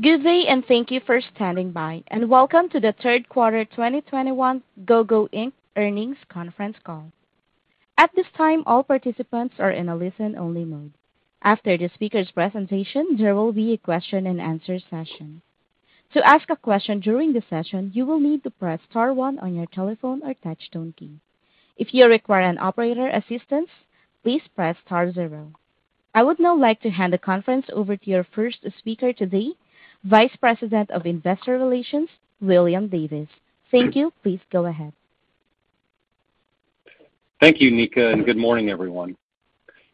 Good day, thank you for standing by, and welcome to the third quarter 2021 Gogo Inc. earnings conference call. At this time, all participants are in a listen-only mode. After the speaker's presentation, there will be a question-and-answer session. To ask a question during the session, you will need to press star one on your telephone or touch tone key. If you require an operator assistance, please press star zero. I would now like to hand the conference over to your first speaker today, Vice President of Investor Relations, William Davis. Thank you. Please go ahead. Thank you, Nika, and good morning, everyone.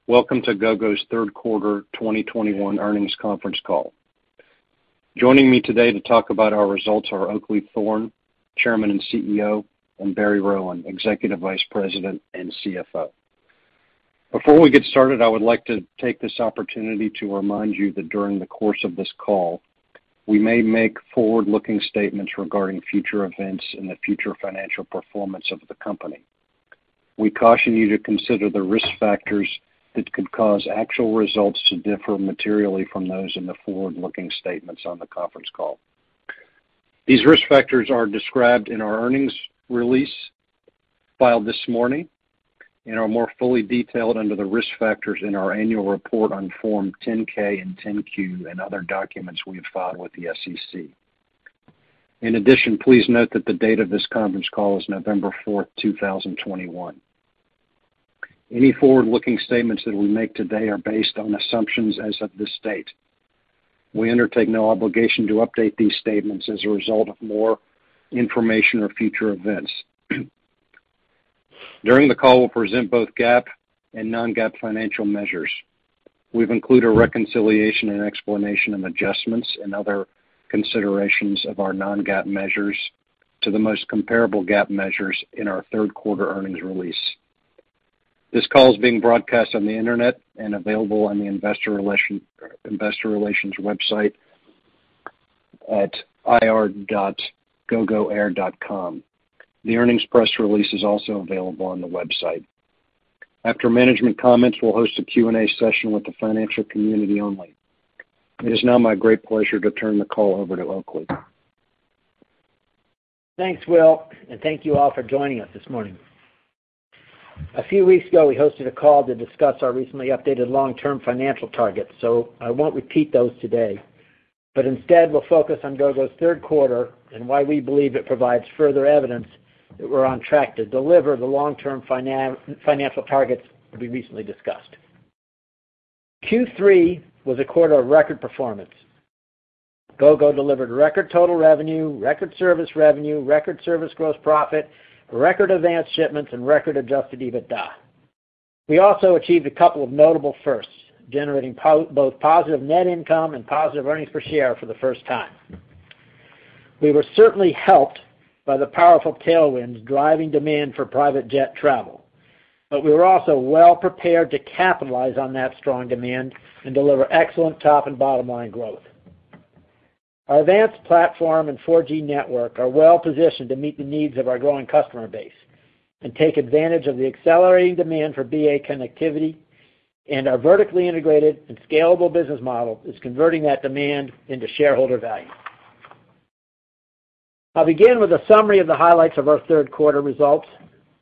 Welcome to Gogo's third quarter 2021 earnings conference call. Joining me today to talk about our results are Oakleigh Thorne, Chairman and CEO, and Barry Rowan, Executive Vice President and CFO. Before we get started, I would like to take this opportunity to remind you that during the course of this call, we may make forward-looking statements regarding future events and the future financial performance of the company. We caution you to consider the risk factors that could cause actual results to differ materially from those in the forward-looking statements on the conference call. These risk factors are described in our earnings release filed this morning and are more fully detailed under the risk factors in our annual report on Form 10-K and 10-Q and other documents we have filed with the SEC. In addition, please note that the date of this conference call is November 4, 2021. Any forward-looking statements that we make today are based on assumptions as of this date. We undertake no obligation to update these statements as a result of more information or future events. During the call, we'll present both GAAP and non-GAAP financial measures. We've included a reconciliation and explanation of adjustments and other considerations of our non-GAAP measures to the most comparable GAAP measures in our third-quarter earnings release. This call is being broadcast on the Internet and available on the investor relations website at ir.gogoair.com. The earnings press release is also available on the website. After management comments, we'll host a Q&A session with the financial community only. It is now my great pleasure to turn the call over to Oakleigh. Thanks, Will, and thank you all for joining us this morning. A few weeks ago, we hosted a call to discuss our recently updated long-term financial targets, so I won't repeat those today, but instead we'll focus on Gogo's third quarter and why we believe it provides further evidence that we're on track to deliver the long-term financial targets that we recently discussed. Q3 was a quarter of record performance. Gogo delivered record total revenue, record service revenue, record service gross profit, record AVANCE shipments, and record adjusted EBITDA. We also achieved a couple of notable firsts, generating both positive net income and positive earnings per share for the first time. We were certainly helped by the powerful tailwinds driving demand for private jet travel. We were also well-prepared to capitalize on that strong demand and deliver excellent top and bottom line growth. Our advanced platform and 4G network are well-positioned to meet the needs of our growing customer base and take advantage of the accelerating demand for BA connectivity, and our vertically integrated and scalable business model is converting that demand into shareholder value. I'll begin with a summary of the highlights of our third quarter results,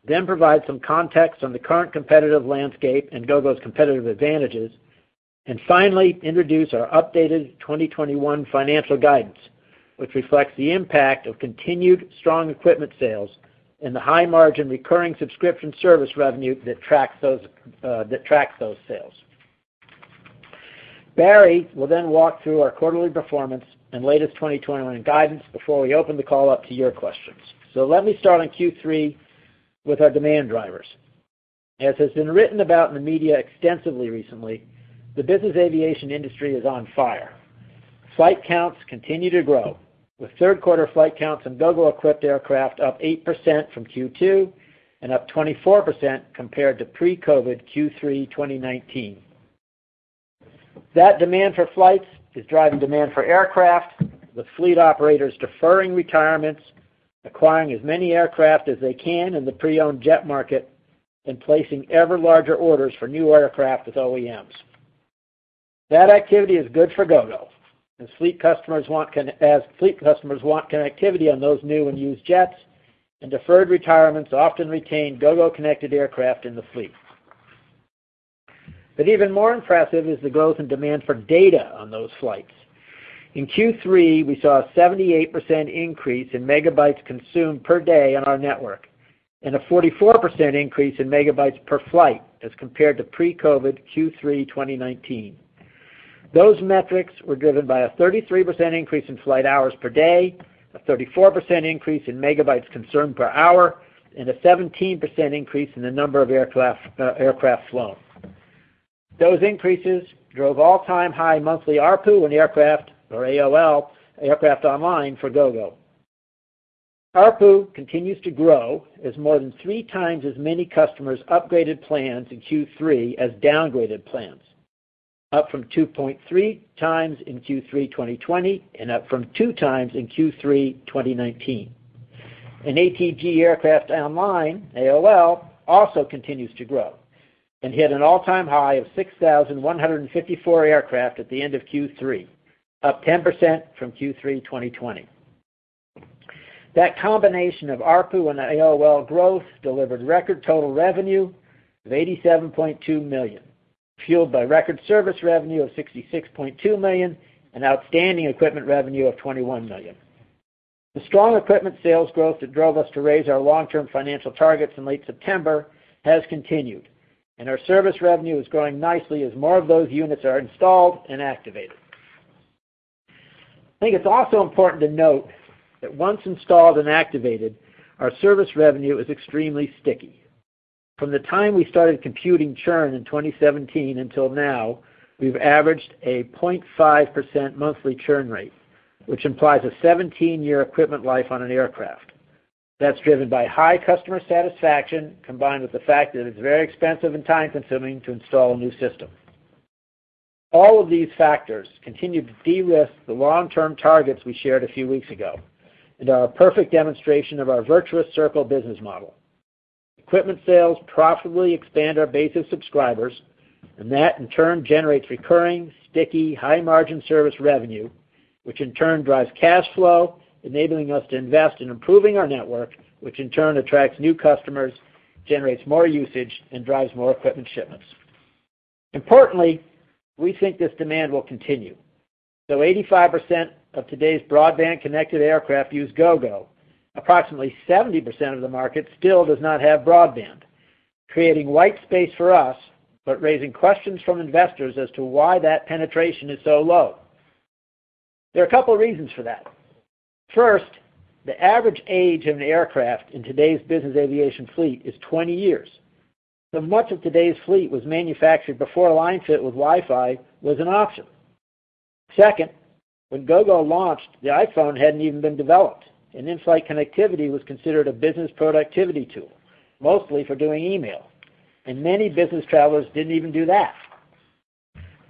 then provide some context on the current competitive landscape and Gogo's competitive advantages, and finally introduce our updated 2021 financial guidance, which reflects the impact of continued strong equipment sales and the high margin recurring subscription service revenue that tracks those sales. Barry will then walk through our quarterly performance and latest 2021 guidance before we open the call up to your questions. Let me start on Q3 with our demand drivers. As has been written about in the media extensively recently, the business aviation industry is on fire. Flight counts continue to grow, with third-quarter flight counts in Gogo-equipped aircraft up 8% from Q2 and up 24% compared to pre-COVID Q3 2019. That demand for flights is driving demand for aircraft, with fleet operators deferring retirements, acquiring as many aircraft as they can in the pre-owned jet market, and placing ever larger orders for new aircraft with OEMs. That activity is good for Gogo. As fleet customers want connectivity on those new and used jets, and deferred retirements often retain Gogo-connected aircraft in the fleet. Even more impressive is the growth in demand for data on those flights. In Q3, we saw a 78% increase in megabytes consumed per day on our network, and a 44% increase in megabytes per flight as compared to pre-COVID Q3 2019. Those metrics were driven by a 33% increase in flight hours per day, a 34% increase in megabytes consumed per hour, and a 17% increase in the number of aircraft flown. Those increases drove all-time high monthly ARPU and AOL, Aircraft Online for Gogo. ARPU continues to grow as more than 3x as many customers upgraded plans in Q3 as downgraded plans, up from 2.3x in Q3 2020, and up from 2x in Q3 2019. ATG aircraft online, AOL, also continues to grow and hit an all-time high of 6,154 aircraft at the end of Q3, up 10% from Q3 2020. That combination of ARPU and AOL growth delivered record total revenue of $87.2 million, fueled by record service revenue of $66.2 million and outstanding equipment revenue of $21 million. The strong equipment sales growth that drove us to raise our long-term financial targets in late September has continued, and our service revenue is growing nicely as more of those units are installed and activated. I think it's also important to note that once installed and activated, our service revenue is extremely sticky. From the time we started computing churn in 2017 until now, we've averaged a 0.5% monthly churn rate, which implies a 17-year equipment life on an aircraft. That's driven by high customer satisfaction, combined with the fact that it's very expensive and time-consuming to install a new system. All of these factors continue to de-risk the long-term targets we shared a few weeks ago and are a perfect demonstration of our virtuous circle business model. Equipment sales profitably expand our base of subscribers, and that in turn generates recurring, sticky, high-margin service revenue, which in turn drives cash flow, enabling us to invest in improving our network, which in turn attracts new customers, generates more usage, and drives more equipment shipments. Importantly, we think this demand will continue. Though 85% of today's broadband-connected aircraft use Gogo, approximately 70% of the market still does not have broadband, creating white space for us, but raising questions from investors as to why that penetration is so low. There are a couple of reasons for that. First, the average age of an aircraft in today's business aviation fleet is 20 years, so much of today's fleet was manufactured before line fit with Wi-Fi was an option. Second, when Gogo launched, the iPhone hadn't even been developed, and in-flight connectivity was considered a business productivity tool, mostly for doing email, and many business travelers didn't even do that.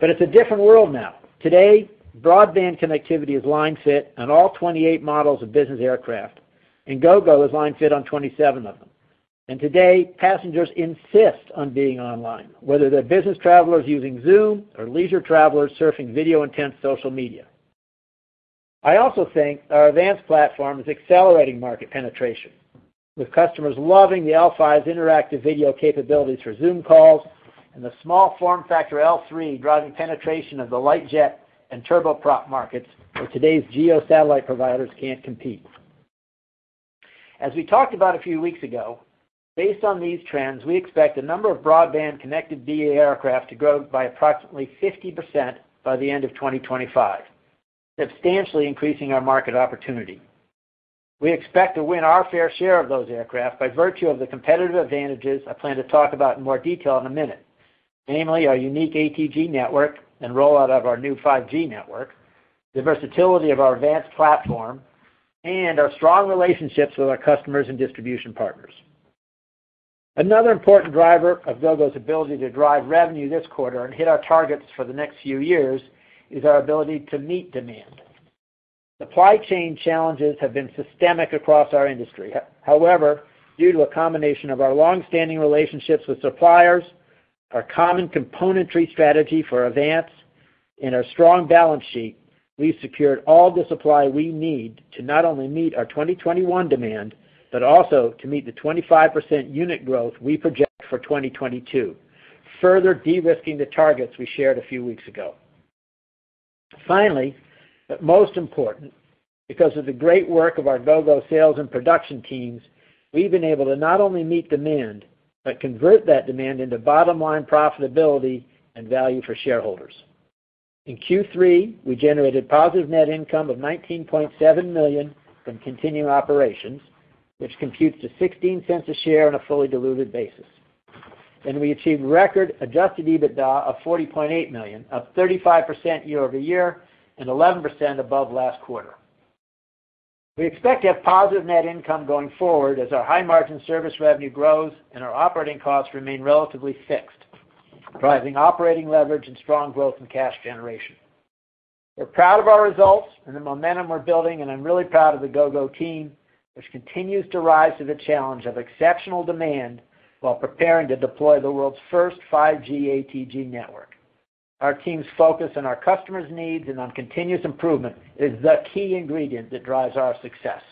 It's a different world now. Today, broadband connectivity is line fit on all 28 models of business aircraft, and Gogo is line fit on 27 of them. Today, passengers insist on being online, whether they're business travelers using Zoom or leisure travelers surfing video-intense social media. I also think our advanced platform is accelerating market penetration, with customers loving the L5's interactive video capabilities for Zoom calls and the small form factor L3 driving penetration of the light jet and turboprop markets where today's GEO satellite providers can't compete. As we talked about a few weeks ago, based on these trends, we expect the number of broadband-connected BA aircraft to grow by approximately 50% by the end of 2025, substantially increasing our market opportunity. We expect to win our fair share of those aircraft by virtue of the competitive advantages I plan to talk about in more detail in a minute, namely our unique ATG network and rollout of our new 5G network, the versatility of our advanced platform, and our strong relationships with our customers and distribution partners. Another important driver of Gogo's ability to drive revenue this quarter and hit our targets for the next few years is our ability to meet demand. Supply chain challenges have been systemic across our industry. However, due to a combination of our long-standing relationships with suppliers, our common componentry strategy for AVANCE, and our strong balance sheet, we've secured all the supply we need to not only meet our 2021 demand, but also to meet the 25% unit growth we project for 2022, further de-risking the targets we shared a few weeks ago. Finally, but most important, because of the great work of our Gogo sales and production teams, we've been able to not only meet demand, but convert that demand into bottom-line profitability and value for shareholders. In Q3, we generated positive net income of $19.7 million from continuing operations, which computes to $0.16 a share on a fully diluted basis. We achieved record adjusted EBITDA of $40.8 million, up 35% year-over-year and 11% above last quarter. We expect to have positive net income going forward as our high-margin service revenue grows and our operating costs remain relatively fixed, driving operating leverage and strong growth in cash generation. We're proud of our results and the momentum we're building, and I'm really proud of the Gogo team, which continues to rise to the challenge of exceptional demand while preparing to deploy the world's first 5G ATG network. Our team's focus on our customers' needs and on continuous improvement is the key ingredient that drives our success.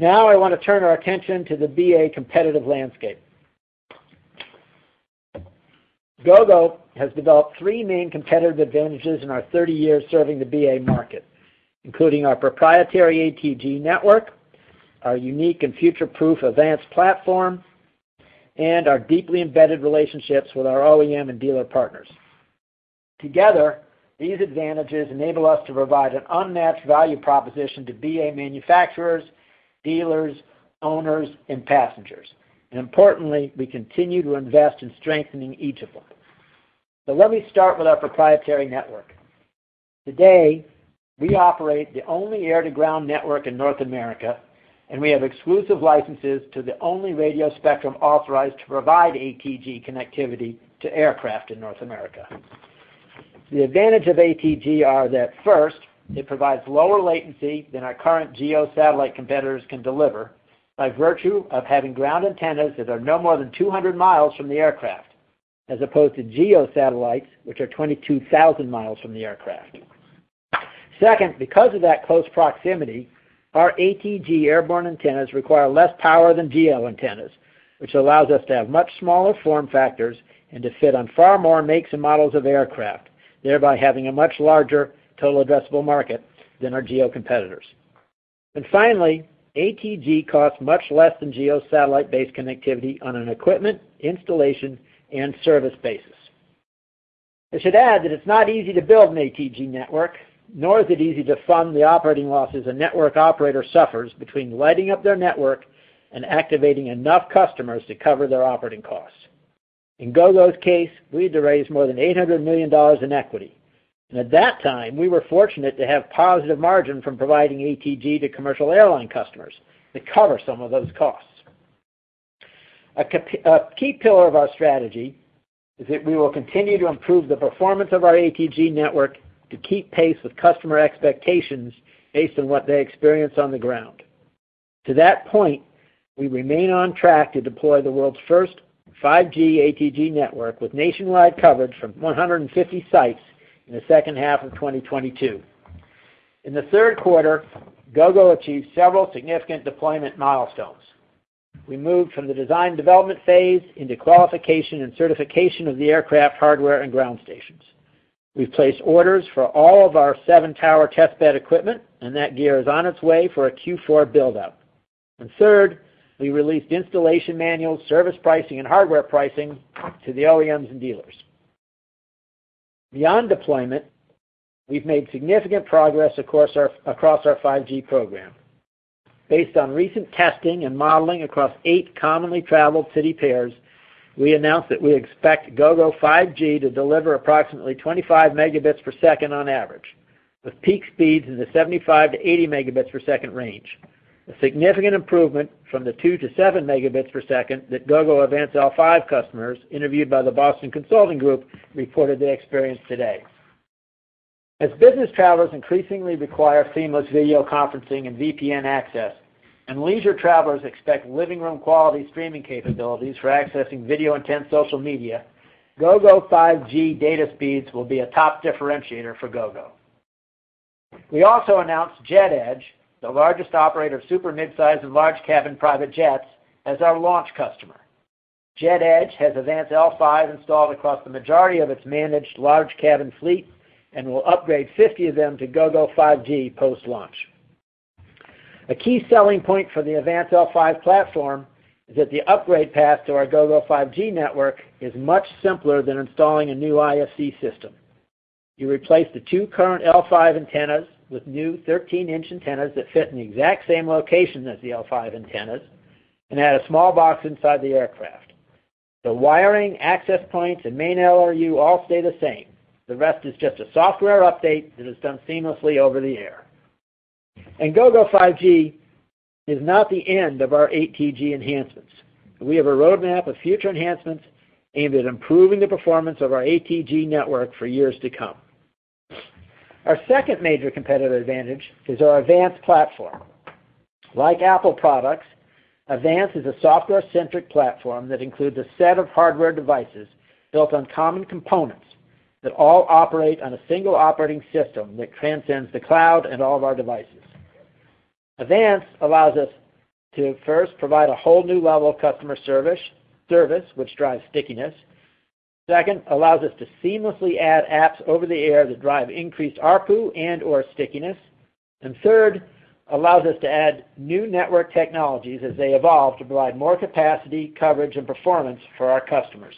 Now I want to turn our attention to the BA competitive landscape. Gogo has developed three main competitive advantages in our 30 years serving the BA market, including our proprietary ATG network, our unique and future-proof advanced platform, and our deeply embedded relationships with our OEM and dealer partners. Together, these advantages enable us to provide an unmatched value proposition to BA manufacturers, dealers, owners, and passengers. Importantly, we continue to invest in strengthening each of them. Let me start with our proprietary network. Today, we operate the only air-to-ground network in North America, and we have exclusive licenses to the only radio spectrum authorized to provide ATG connectivity to aircraft in North America. The advantage of ATG are that first, it provides lower latency than our current GEO satellite competitors can deliver by virtue of having ground antennas that are no more than 200 miles from the aircraft, as opposed to GEO satellites, which are 22,000 miles from the aircraft. Second, because of that close proximity, our ATG airborne antennas require less power than GEO antennas, which allows us to have much smaller form factors and to fit on far more makes and models of aircraft, thereby having a much larger total addressable market than our GEO competitors. Finally, ATG costs much less than GEO satellite-based connectivity on an equipment, installation, and service basis. I should add that it's not easy to build an ATG network, nor is it easy to fund the operating losses a network operator suffers between lighting up their network and activating enough customers to cover their operating costs. In Gogo's case, we had to raise more than $800 million in equity. At that time, we were fortunate to have positive margin from providing ATG to commercial airline customers to cover some of those costs. A key pillar of our strategy is that we will continue to improve the performance of our ATG network to keep pace with customer expectations based on what they experience on the ground. To that point, we remain on track to deploy the world's first 5G ATG network with nationwide coverage from 150 sites in the second half of 2022. In the third quarter, Gogo achieved several significant deployment milestones. We moved from the design development phase into qualification and certification of the aircraft hardware and ground stations. We've placed orders for all of our seven tower test bed equipment, and that gear is on its way for a Q4 build-out. Third, we released installation manuals, service pricing, and hardware pricing to the OEMs and dealers. Beyond deployment, we've made significant progress across our 5G program. Based on recent testing and modeling across eight commonly traveled city pairs, we announced that we expect Gogo 5G to deliver approximately 25 Mbps on average, with peak speeds in the 75-80 Mbps range, a significant improvement from the 2-7 Mbps that Gogo AVANCE L5 customers interviewed by the Boston Consulting Group reported they experience today. As business travelers increasingly require seamless video conferencing and VPN access, and leisure travelers expect living room quality streaming capabilities for accessing video-intense social media, Gogo 5G data speeds will be a top differentiator for Gogo. We also announced Jet Edge, the largest operator of super-midsize and large cabin private jets, as our launch customer. Jet Edge has AVANCE L5 installed across the majority of its managed large cabin fleet and will upgrade 50 of them to Gogo 5G post-launch. A key selling point for the AVANCE L5 platform is that the upgrade path to our Gogo 5G network is much simpler than installing a new IFC system. You replace the two current L5 antennas with new 13-inch antennas that fit in the exact same location as the L5 antennas and add a small box inside the aircraft. The wiring, access points, and main LRU all stay the same. The rest is just a software update that is done seamlessly over the air. Gogo 5G is not the end of our ATG enhancements. We have a roadmap of future enhancements aimed at improving the performance of our ATG network for years to come. Our second major competitive advantage is our AVANCE platform. Like Apple products, AVANCE is a software-centric platform that includes a set of hardware devices built on common components that all operate on a single operating system that transcends the cloud and all of our devices. AVANCE allows us to, first, provide a whole new level of customer service, which drives stickiness. Second, allows us to seamlessly add apps over the air that drive increased ARPU and/or stickiness. Third, allows us to add new network technologies as they evolve to provide more capacity, coverage, and performance for our customers.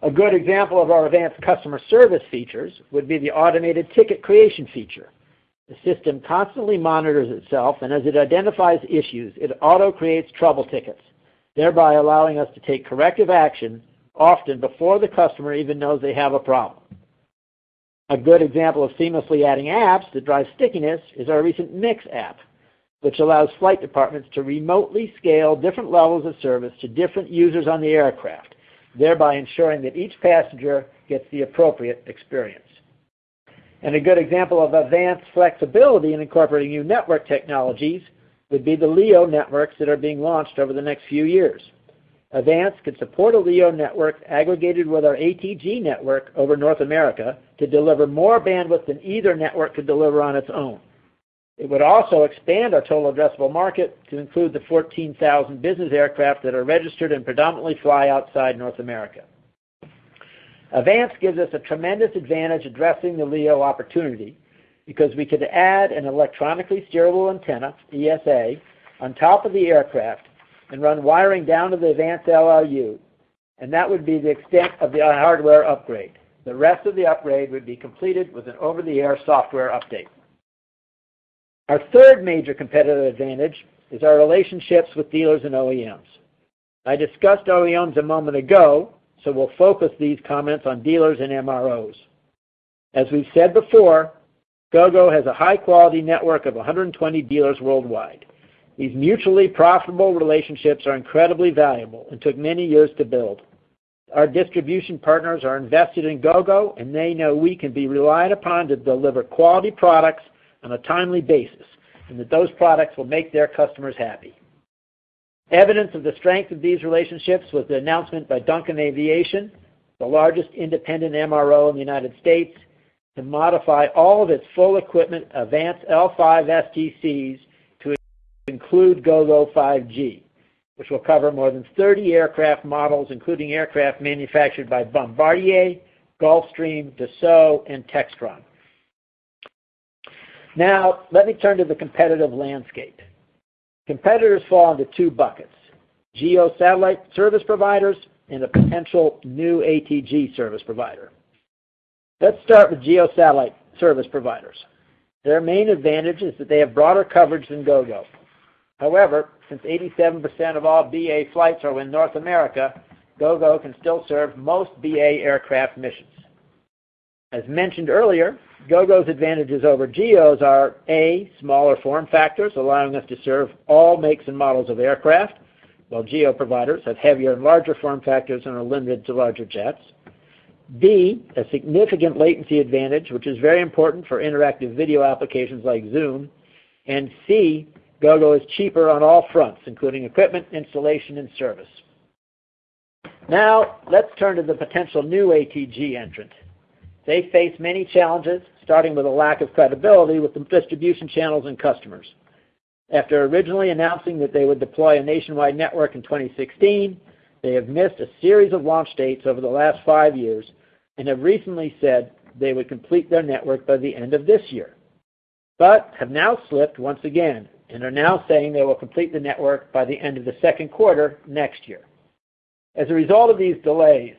A good example of our AVANCE customer service features would be the automated ticket creation feature. The system constantly monitors itself, and as it identifies issues, it auto-creates trouble tickets, thereby allowing us to take corrective action often before the customer even knows they have a problem. A good example of seamlessly adding apps that drive stickiness is our recent MIX app, which allows flight departments to remotely scale different levels of service to different users on the aircraft, thereby ensuring that each passenger gets the appropriate experience. A good example of AVANCE flexibility in incorporating new network technologies would be the LEO networks that are being launched over the next few years. AVANCE could support a LEO network aggregated with our ATG network over North America to deliver more bandwidth than either network could deliver on its own. It would also expand our total addressable market to include the 14,000 business aircraft that are registered and predominantly fly outside North America. AVANCE gives us a tremendous advantage addressing the LEO opportunity because we could add an electronically steerable antenna, ESA, on top of the aircraft and run wiring down to the AVANCE LRU, and that would be the extent of the hardware upgrade. The rest of the upgrade would be completed with an over-the-air software update. Our third major competitive advantage is our relationships with dealers and OEMs. I discussed OEMs a moment ago, so we'll focus these comments on dealers and MROs. As we've said before, Gogo has a high-quality network of 120 dealers worldwide. These mutually profitable relationships are incredibly valuable and took many years to build. Our distribution partners are invested in Gogo, and they know we can be relied upon to deliver quality products on a timely basis, and that those products will make their customers happy. Evidence of the strength of these relationships was the announcement by Duncan Aviation, the largest independent MRO in the United States, to modify all of its full equipment AVANCE L5 STCs to include Gogo 5G, which will cover more than 30 aircraft models, including aircraft manufactured by Bombardier, Gulfstream, Dassault, and Textron. Now, let me turn to the competitive landscape. Competitors fall into two buckets, GEO satellite service providers and a potential new ATG service provider. Let's start with GEO satellite service providers. Their main advantage is that they have broader coverage than Gogo. However, since 87% of all BA flights are in North America, Gogo can still serve most BA aircraft missions. As mentioned earlier, Gogo's advantages over GEOs are, A, smaller form factors, allowing us to serve all makes and models of aircraft, while GEO providers have heavier and larger form factors and are limited to larger jets. B, a significant latency advantage, which is very important for interactive video applications like Zoom. C, Gogo is cheaper on all fronts, including equipment, installation, and service. Now, let's turn to the potential new ATG entrant. They face many challenges, starting with a lack of credibility with the distribution channels and customers. After originally announcing that they would deploy a nationwide network in 2016, they have missed a series of launch dates over the last five years and have recently said they would complete their network by the end of this year, but have now slipped once again and are now saying they will complete the network by the end of the second quarter next year. As a result of these delays,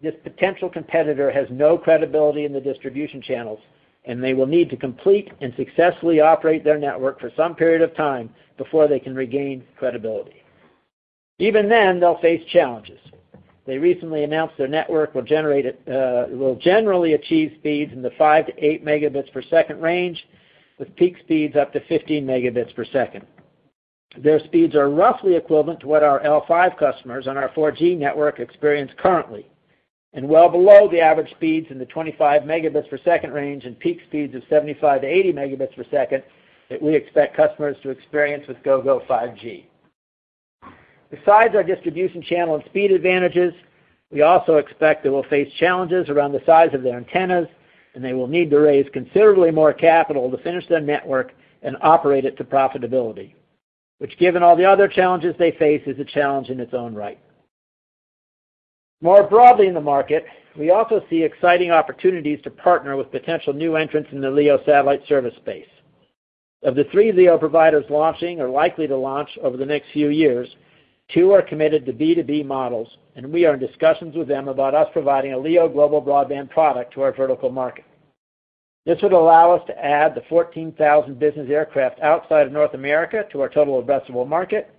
this potential competitor has no credibility in the distribution channels, and they will need to complete and successfully operate their network for some period of time before they can regain credibility. Even then, they'll face challenges. They recently announced their network will generally achieve speeds in the 5-8 Mbps range, with peak speeds up to 15 Mbps. Their speeds are roughly equivalent to what our L5 customers on our 4G network experience currently, and well below the average speeds in the 25 Mbps range and peak speeds of 75-80 Mbps that we expect customers to experience with Gogo 5G. Besides our distribution channel and speed advantages, we also expect they will face challenges around the size of their antennas, and they will need to raise considerably more capital to finish their network and operate it to profitability, which given all the other challenges they face, is a challenge in its own right. More broadly in the market, we also see exciting opportunities to partner with potential new entrants in the LEO satellite service space. Of the three LEO providers launching or likely to launch over the next few years, two are committed to B2B models, and we are in discussions with them about us providing a LEO global broadband product to our vertical market. This would allow us to add the 14,000 business aircraft outside of North America to our total addressable market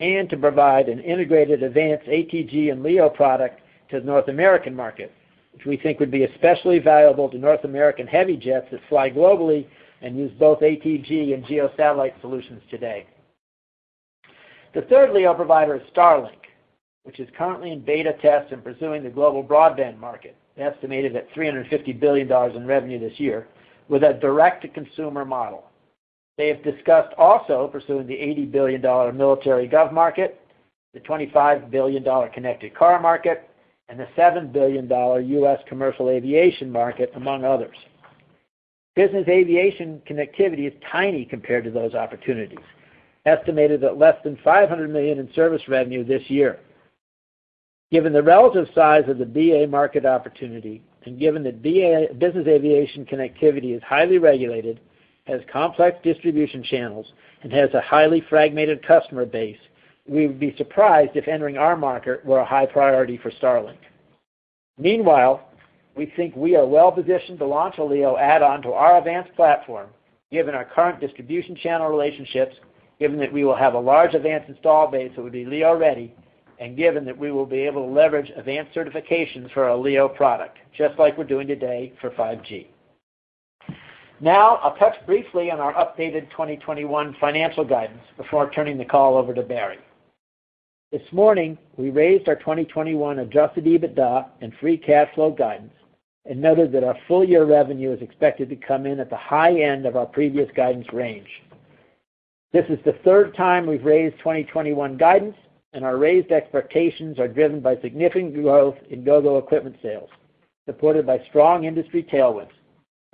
and to provide an integrated advanced ATG and LEO product to the North American market, which we think would be especially valuable to North American heavy jets that fly globally and use both ATG and GEO satellite solutions today. The third LEO provider is Starlink, which is currently in beta test and pursuing the global broadband market, estimated at $350 billion in revenue this year, with a direct-to-consumer model. They have discussed also pursuing the $80 billion military/gov market, the $25 billion connected car market, and the $7 billion US commercial aviation market, among others. Business aviation connectivity is tiny compared to those opportunities, estimated at less than $500 million in service revenue this year. Given the relative size of the BA market opportunity and given that BA, business aviation connectivity is highly regulated, has complex distribution channels, and has a highly fragmented customer base, we would be surprised if entering our market were a high priority for Starlink. Meanwhile, we think we are well-positioned to launch a LEO add-on to our AVANCE platform, given our current distribution channel relationships, given that we will have a large AVANCE install base that would be LEO-ready, and given that we will be able to leverage AVANCE certifications for our LEO product, just like we're doing today for 5G. Now, I'll touch briefly on our updated 2021 financial guidance before turning the call over to Barry. This morning, we raised our 2021 adjusted EBITDA and free cash flow guidance and noted that our full-year revenue is expected to come in at the high end of our previous guidance range. This is the third time we've raised 2021 guidance, and our raised expectations are driven by significant growth in Gogo equipment sales, supported by strong industry tailwinds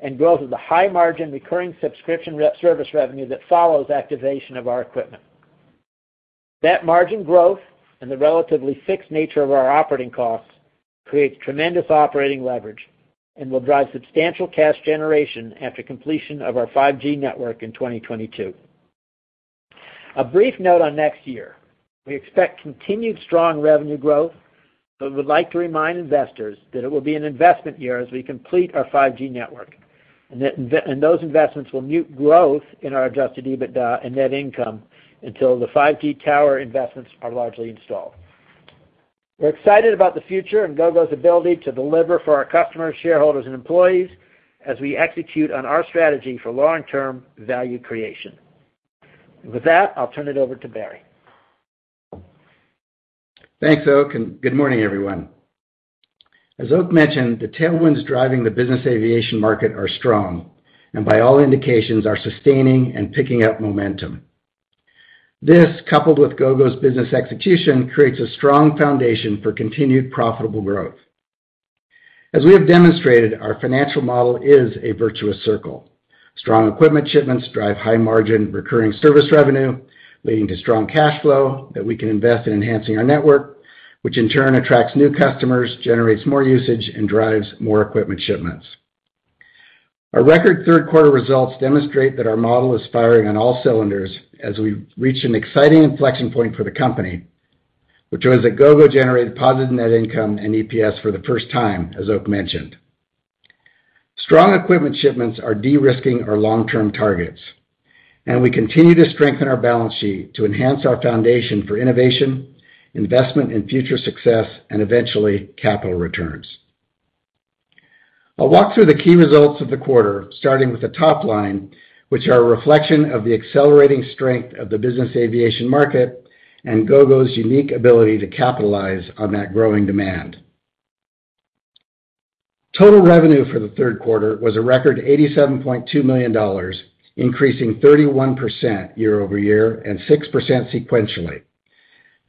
and growth of the high-margin recurring subscription service revenue that follows activation of our equipment. That margin growth and the relatively fixed nature of our operating costs creates tremendous operating leverage and will drive substantial cash generation after completion of our 5G network in 2022. A brief note on next year. We expect continued strong revenue growth, but would like to remind investors that it will be an investment year as we complete our 5G network, and that and those investments will mute growth in our adjusted EBITDA and net income until the 5G tower investments are largely installed. We're excited about the future and Gogo's ability to deliver for our customers, shareholders, and employees as we execute on our strategy for long-term value creation. With that, I'll turn it over to Barry. Thanks, Oak, and good morning, everyone. As Oak mentioned, the tailwinds driving the business aviation market are strong and by all indications, are sustaining and picking up momentum. This, coupled with Gogo's business execution, creates a strong foundation for continued profitable growth. As we have demonstrated, our financial model is a virtuous circle. Strong equipment shipments drive high-margin recurring service revenue, leading to strong cash flow that we can invest in enhancing our network, which in turn attracts new customers, generates more usage, and drives more equipment shipments. Our record third quarter results demonstrate that our model is firing on all cylinders as we reach an exciting inflection point for the company, which was that Gogo generated positive net income and EPS for the first time, as Oak mentioned. Strong equipment shipments are de-risking our long-term targets, and we continue to strengthen our balance sheet to enhance our foundation for innovation, investment in future success, and eventually capital returns. I'll walk through the key results of the quarter, starting with the top line, which are a reflection of the accelerating strength of the business aviation market and Gogo's unique ability to capitalize on that growing demand. Total revenue for the third quarter was a record $87.2 million, increasing 31% year-over-year and 6% sequentially,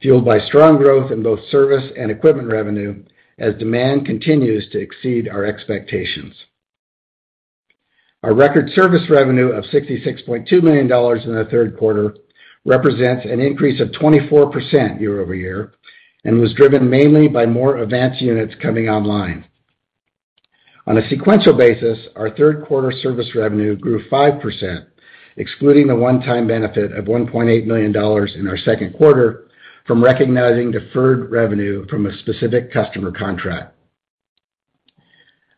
fueled by strong growth in both service and equipment revenue as demand continues to exceed our expectations. Our record service revenue of $66.2 million in the third quarter represents an increase of 24% year-over-year and was driven mainly by more AVANCE units coming online. On a sequential basis, our third quarter service revenue grew 5%, excluding the one-time benefit of $1.8 million in our second quarter from recognizing deferred revenue from a specific customer contract.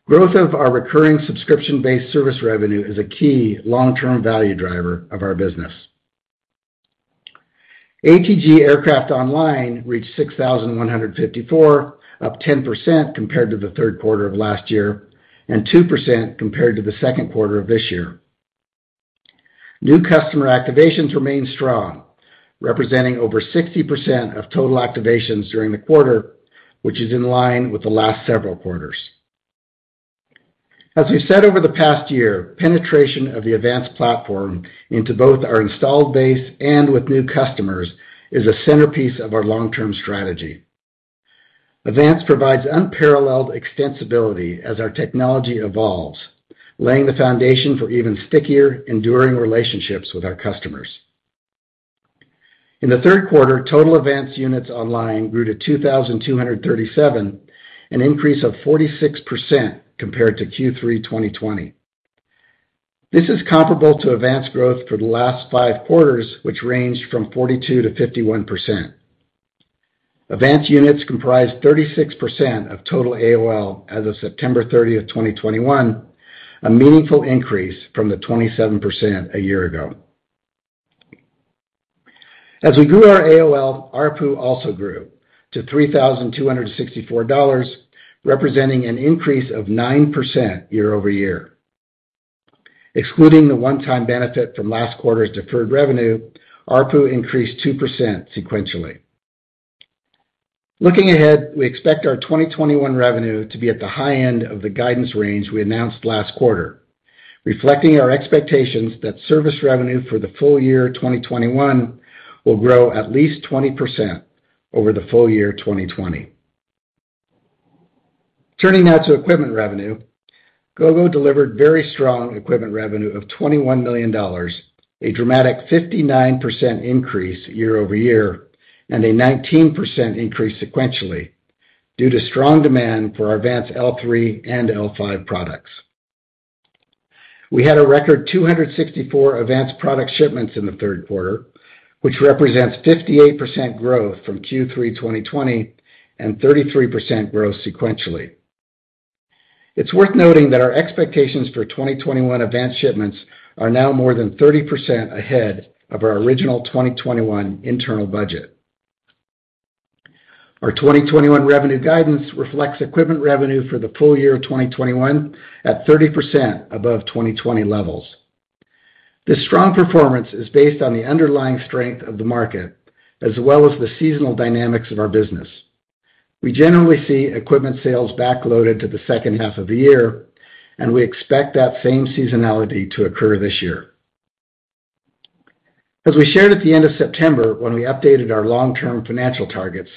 Growth of our recurring subscription-based service revenue is a key long-term value driver of our business. ATG Aircraft Online reached 6,154, up 10% compared to the third quarter of last year and 2% compared to the second quarter of this year. New customer activations remain strong, representing over 60% of total activations during the quarter, which is in line with the last several quarters. As we said over the past year, penetration of the Advanced platform into both our installed base and with new customers is a centerpiece of our long-term strategy. AVANCE provides unparalleled extensibility as our technology evolves, laying the foundation for even stickier, enduring relationships with our customers. In the third quarter, total AVANCE units online grew to 2,237, an increase of 46% compared to Q3 2020. This is comparable to AVANCE growth for the last five quarters, which ranged from 42%-51%. AVANCE units comprised 36% of total AOL as of September 30, 2021, a meaningful increase from the 27% a year ago. As we grew our AOL, ARPU also grew to $3,264, representing an increase of 9% year-over-year. Excluding the one-time benefit from last quarter's deferred revenue, ARPU increased 2% sequentially. Looking ahead, we expect our 2021 revenue to be at the high end of the guidance range we announced last quarter, reflecting our expectations that service revenue for the full year 2021 will grow at least 20% over the full year 2020. Turning now to equipment revenue. Gogo delivered very strong equipment revenue of $21 million, a dramatic 59% increase year-over-year and a 19% increase sequentially due to strong demand for our Advanced L3 and L5 products. We had a record 264 Advanced product shipments in the third quarter, which represents 58% growth from Q3 2020 and 33% growth sequentially. It's worth noting that our expectations for 2021 Advanced shipments are now more than 30% ahead of our original 2021 internal budget. Our 2021 revenue guidance reflects equipment revenue for the full year of 2021 at 30% above 2020 levels. This strong performance is based on the underlying strength of the market as well as the seasonal dynamics of our business. We generally see equipment sales backloaded to the second half of the year, and we expect that same seasonality to occur this year. As we shared at the end of September when we updated our long-term financial targets,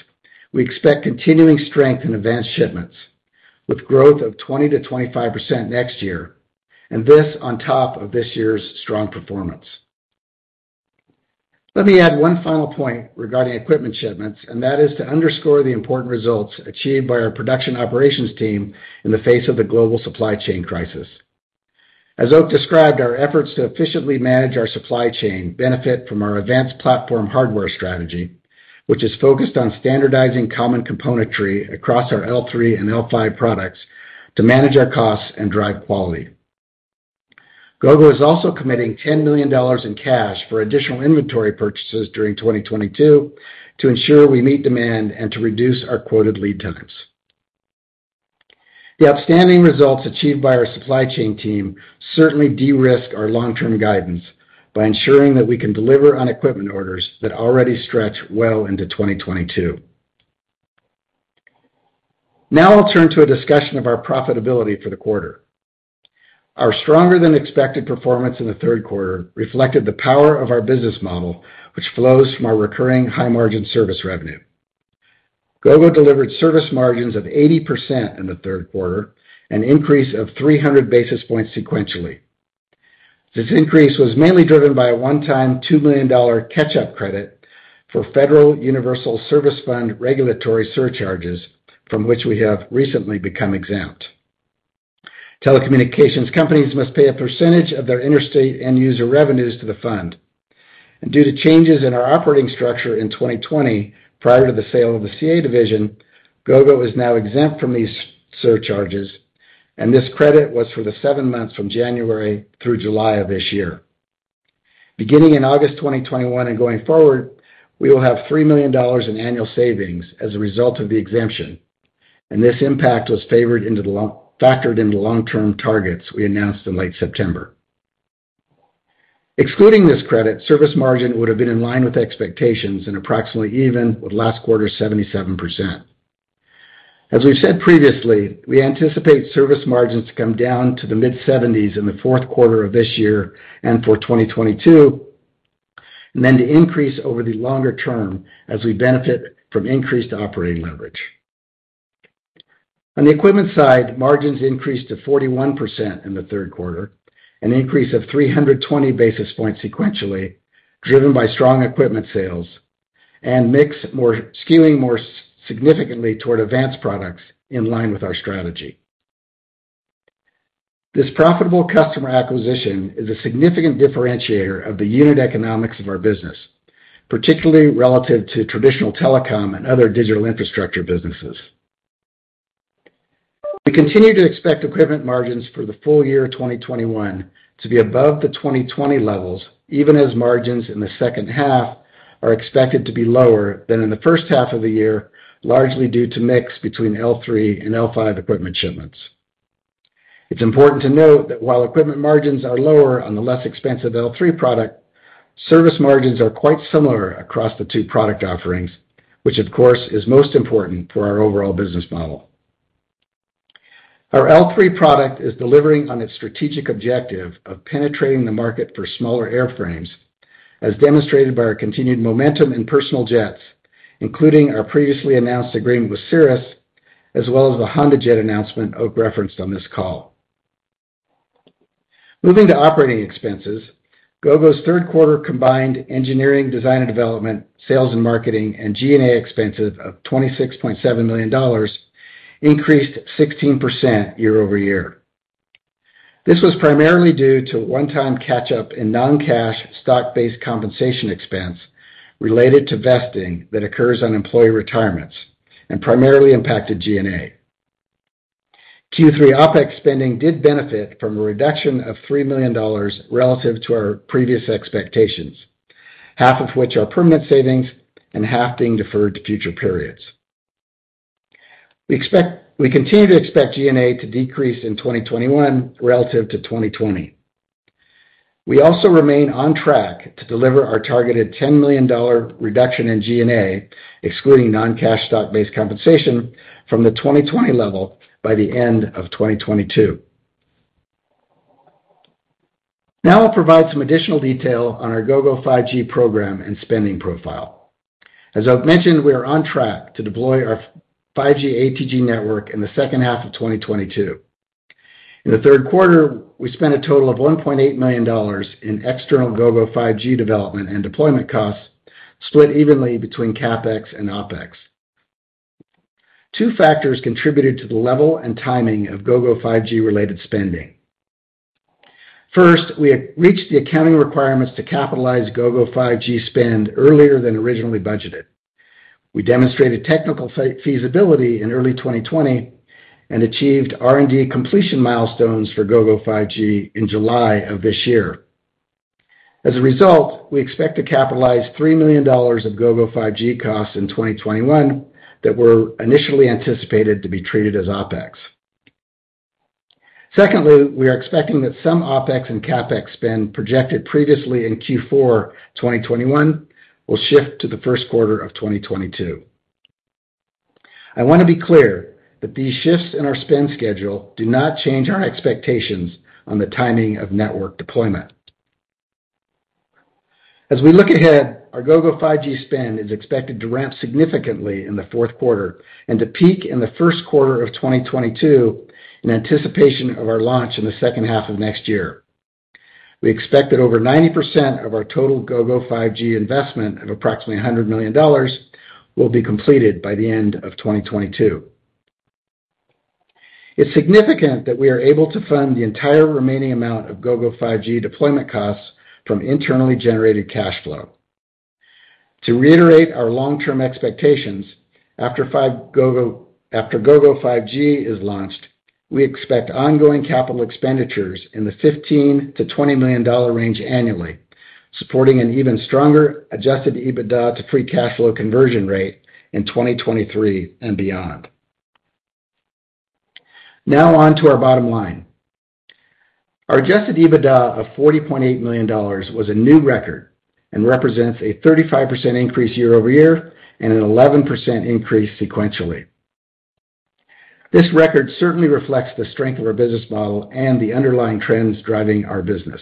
we expect continuing strength in AVANCE shipments with growth of 20%-25% next year, and this on top of this year's strong performance. Let me add one final point regarding equipment shipments, and that is to underscore the important results achieved by our production operations team in the face of the global supply chain crisis. As Oak described, our efforts to efficiently manage our supply chain benefit from our AVANCE platform hardware strategy, which is focused on standardizing common componentry across our L3 and L5 products to manage our costs and drive quality. Gogo is also committing $10 million in cash for additional inventory purchases during 2022 to ensure we meet demand and to reduce our quoted lead times. The outstanding results achieved by our supply chain team certainly de-risk our long-term guidance by ensuring that we can deliver on equipment orders that already stretch well into 2022. Now I'll turn to a discussion of our profitability for the quarter. Our stronger than expected performance in the third quarter reflected the power of our business model, which flows from our recurring high-margin service revenue. Gogo delivered service margins of 80% in the third quarter, an increase of 300 basis points sequentially. This increase was mainly driven by a one-time $2 million catch-up credit for Federal Universal Service Fund regulatory surcharges from which we have recently become exempt. Telecommunications companies must pay a percentage of their interstate end user revenues to the fund. Due to changes in our operating structure in 2020, prior to the sale of the CA division, Gogo is now exempt from these surcharges, and this credit was for the seven months from January through July of this year. Beginning in August 2021 and going forward, we will have $3 million in annual savings as a result of the exemption, and this impact was factored into long-term targets we announced in late September. Excluding this credit, service margin would have been in line with expectations and approximately even with last quarter's 77%. As we've said previously, we anticipate service margins to come down to the mid-70s in the fourth quarter of this year and for 2022, and then to increase over the longer term as we benefit from increased operating leverage. On the equipment side, margins increased to 41% in the third quarter, an increase of 320 basis points sequentially, driven by strong equipment sales and mix more skewing more significantly toward advanced products in line with our strategy. This profitable customer acquisition is a significant differentiator of the unit economics of our business, particularly relative to traditional telecom and other digital infrastructure businesses. We continue to expect equipment margins for the full year of 2021 to be above the 2020 levels, even as margins in the second half are expected to be lower than in the first half of the year, largely due to mix between L3 and L5 equipment shipments. It's important to note that while equipment margins are lower on the less expensive L3 product, service margins are quite similar across the two product offerings, which of course, is most important for our overall business model. Our L3 product is delivering on its strategic objective of penetrating the market for smaller airframes, as demonstrated by our continued momentum in personal jets, including our previously announced agreement with Cirrus, as well as the HondaJet announcement Oak referenced on this call. Moving to operating expenses, Gogo's third quarter combined engineering, design and development, sales and marketing, and G&A expenses of $26.7 million increased 16% year-over-year. This was primarily due to a one-time catch-up in non-cash stock-based compensation expense related to vesting that occurs on employee retirements and primarily impacted G&A. Q3 OpEx spending did benefit from a reduction of $3 million relative to our previous expectations, half of which are permanent savings and half being deferred to future periods. We continue to expect G&A to decrease in 2021 relative to 2020. We also remain on track to deliver our targeted $10 million reduction in G&A, excluding non-cash stock-based compensation from the 2020 level by the end of 2022. Now I'll provide some additional detail on our Gogo 5G program and spending profile. As I've mentioned, we are on track to deploy our 5G ATG network in the second half of 2022. In the third quarter, we spent a total of $1.8 million in external Gogo 5G development and deployment costs, split evenly between CapEx and OpEx. Two factors contributed to the level and timing of Gogo 5G related spending. First, we had reached the accounting requirements to capitalize Gogo 5G spend earlier than originally budgeted. We demonstrated technical feasibility in early 2020 and achieved R&D completion milestones for Gogo 5G in July of this year. As a result, we expect to capitalize $3 million of Gogo 5G costs in 2021 that were initially anticipated to be treated as OpEx. Secondly, we are expecting that some OpEx and CapEx spend projected previously in Q4 2021 will shift to the first quarter of 2022. I want to be clear that these shifts in our spend schedule do not change our expectations on the timing of network deployment. As we look ahead, our Gogo 5G spend is expected to ramp significantly in the fourth quarter and to peak in the first quarter of 2022 in anticipation of our launch in the second half of next year. We expect that over 90% of our total Gogo 5G investment of approximately $100 million will be completed by the end of 2022. It's significant that we are able to fund the entire remaining amount of Gogo 5G deployment costs from internally generated cash flow. To reiterate our long-term expectations, after Gogo 5G is launched, we expect ongoing capital expenditures in the $15-$20 million range annually, supporting an even stronger adjusted EBITDA to free cash flow conversion rate in 2023 and beyond. Now on to our bottom line. Our adjusted EBITDA of $40.8 million was a new record and represents a 35% increase year-over-year and an 11% increase sequentially. This record certainly reflects the strength of our business model and the underlying trends driving our business.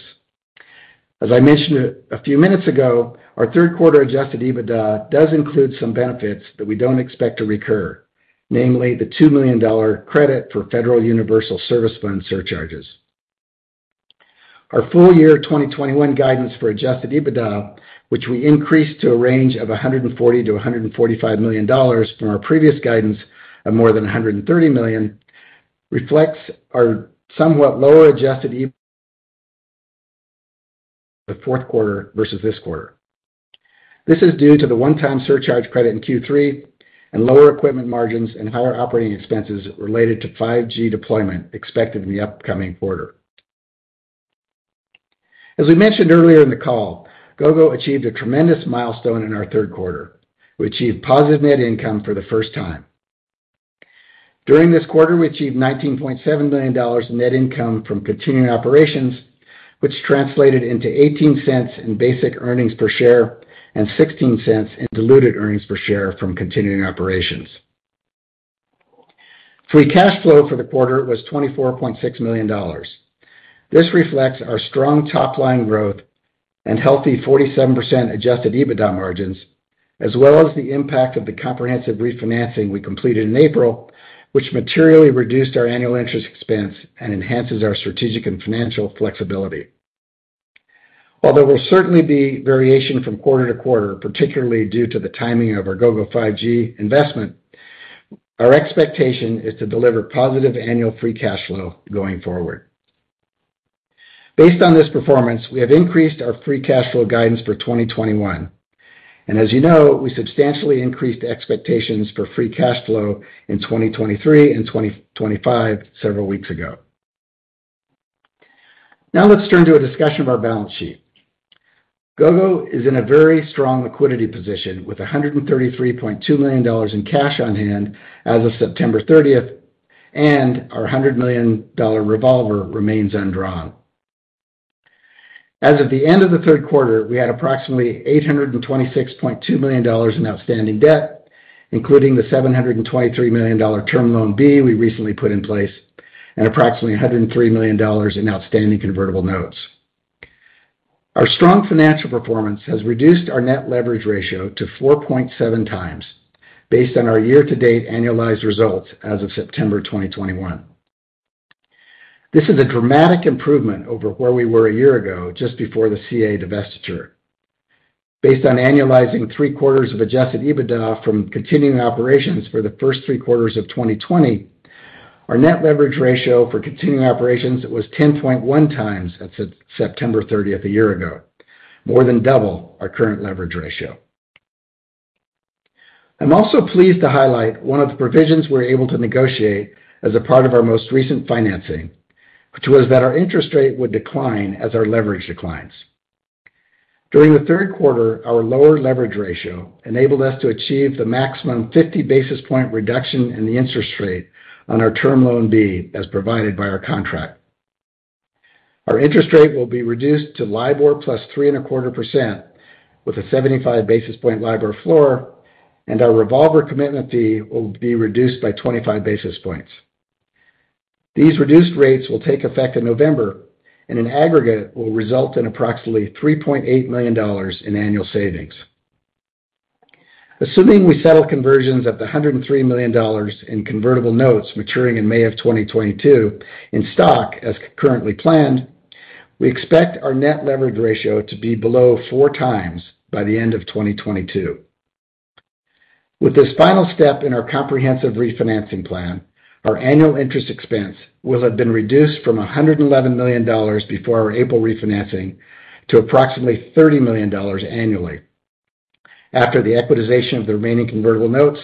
As I mentioned a few minutes ago, our third quarter adjusted EBITDA does include some benefits that we don't expect to recur, namely the $2 million credit for Federal Universal Service Fund surcharges. Our full year 2021 guidance for adjusted EBITDA, which we increased to a range of $140 million-$145 million from our previous guidance of more than $130 million, reflects our somewhat lower adjusted EBITDA in the fourth quarter versus this quarter. This is due to the one-time surcharge credit in Q3 and lower equipment margins and higher operating expenses related to 5G deployment expected in the upcoming quarter. As we mentioned earlier in the call, Gogo achieved a tremendous milestone in our third quarter. We achieved positive net income for the first time. During this quarter, we achieved $19.7 million in net income from continuing operations, which translated into 18 cents in basic earnings per share and 16 cents in diluted earnings per share from continuing operations. Free cash flow for the quarter was $24.6 million. This reflects our strong top-line growth and healthy 47% adjusted EBITDA margins, as well as the impact of the comprehensive refinancing we completed in April, which materially reduced our annual interest expense and enhances our strategic and financial flexibility. Although there will certainly be variation from quarter to quarter, particularly due to the timing of our Gogo 5G investment, our expectation is to deliver positive annual free cash flow going forward. Based on this performance, we have increased our free cash flow guidance for 2021. As you know, we substantially increased expectations for free cash flow in 2023 and 2025 several weeks ago. Now let's turn to a discussion of our balance sheet. Gogo is in a very strong liquidity position with $133.2 million in cash on hand as of September 30, and our $100 million revolver remains undrawn. As of the end of the third quarter, we had approximately $826.2 million in outstanding debt, including the $723 million term loan B we recently put in place, and approximately $103 million in outstanding convertible notes. Our strong financial performance has reduced our net leverage ratio to 4.7x based on our year-to-date annualized results as of September 2021. This is a dramatic improvement over where we were a year ago just before the CA divestiture. Based on annualizing three quarters of adjusted EBITDA from continuing operations for the first three quarters of 2020, our net leverage ratio for continuing operations was 10.1x as of September 30 a year ago, more than double our current leverage ratio. I'm also pleased to highlight one of the provisions we're able to negotiate as a part of our most recent financing, which was that our interest rate would decline as our leverage declines. During the third quarter, our lower leverage ratio enabled us to achieve the maximum 50 basis point reduction in the interest rate on our Term Loan B as provided by our contract. Our interest rate will be reduced to LIBOR plus 3.25%, with a 75 basis point LIBOR floor, and our revolver commitment fee will be reduced by 25 basis points. These reduced rates will take effect in November and in aggregate will result in approximately $3.8 million in annual savings. Assuming we settle conversions of the $103 million in convertible notes maturing in May 2022 in stock as currently planned, we expect our net leverage ratio to be below 4x by the end of 2022. With this final step in our comprehensive refinancing plan, our annual interest expense will have been reduced from $111 million before our April refinancing to approximately $30 million annually after the equitization of the remaining convertible notes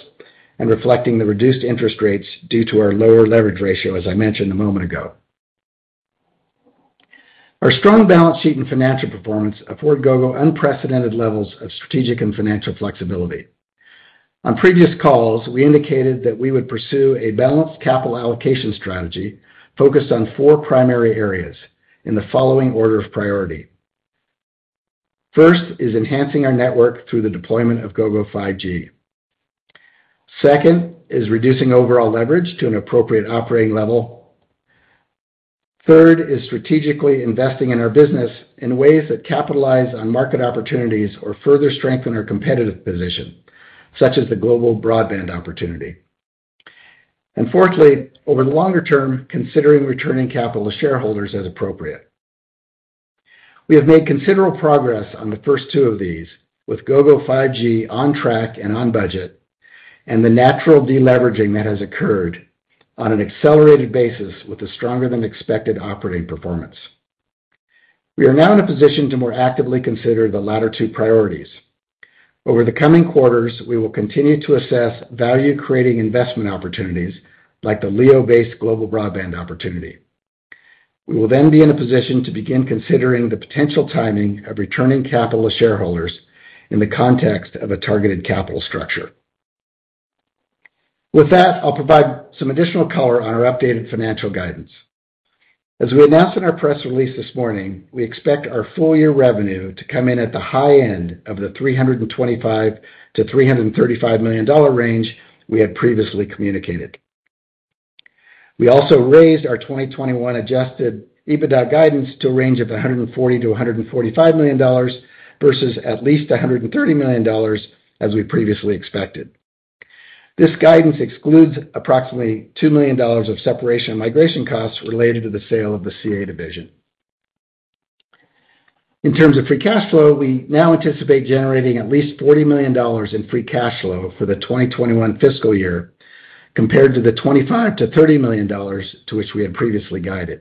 and reflecting the reduced interest rates due to our lower leverage ratio as I mentioned a moment ago. Our strong balance sheet and financial performance afford Gogo unprecedented levels of strategic and financial flexibility. On previous calls, we indicated that we would pursue a balanced capital allocation strategy focused on four primary areas in the following order of priority. First is enhancing our network through the deployment of Gogo 5G. Second is reducing overall leverage to an appropriate operating level. Third is strategically investing in our business in ways that capitalize on market opportunities or further strengthen our competitive position, such as the global broadband opportunity. Fourthly, over the longer term, considering returning capital to shareholders as appropriate. We have made considerable progress on the first two of these with Gogo 5G on track and on budget, and the natural deleveraging that has occurred on an accelerated basis with a stronger than expected operating performance. We are now in a position to more actively consider the latter two priorities. Over the coming quarters, we will continue to assess value-creating investment opportunities like the LEO-based global broadband opportunity. We will then be in a position to begin considering the potential timing of returning capital to shareholders in the context of a targeted capital structure. With that, I'll provide some additional color on our updated financial guidance. As we announced in our press release this morning, we expect our full-year revenue to come in at the high end of the $325 million-$335 million range we had previously communicated. We also raised our 2021 adjusted EBITDA guidance to a range of $140 million-$145 million versus at least $130 million as we previously expected. This guidance excludes approximately $2 million of separation migration costs related to the sale of the CA division. In terms of free cash flow, we now anticipate generating at least $40 million in free cash flow for the 2021 fiscal year, compared to the $25 million-$30 million to which we had previously guided.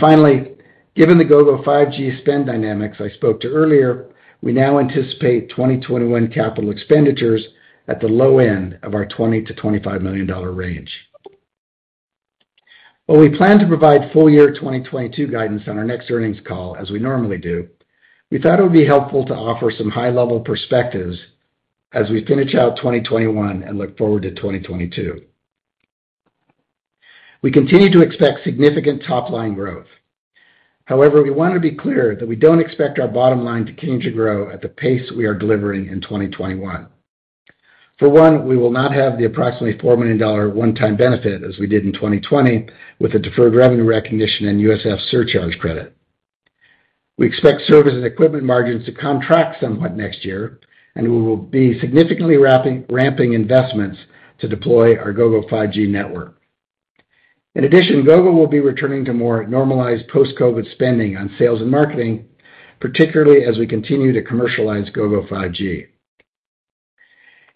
Finally, given the Gogo 5G spend dynamics I spoke to earlier, we now anticipate 2021 capital expenditures at the low end of our $20 million-$25 million range. While we plan to provide full-year 2022 guidance on our next earnings call, as we normally do, we thought it would be helpful to offer some high-level perspectives as we finish out 2021 and look forward to 2022. We continue to expect significant top-line growth. However, we wanna be clear that we don't expect our bottom line to continue to grow at the pace we are delivering in 2021. For one, we will not have the approximately $4 million one-time benefit as we did in 2020 with the deferred revenue recognition and USF surcharge credit. We expect service and equipment margins to contract somewhat next year, and we will be significantly ramping investments to deploy our Gogo 5G network. In addition, Gogo will be returning to more normalized post-COVID spending on sales and marketing, particularly as we continue to commercialize Gogo 5G.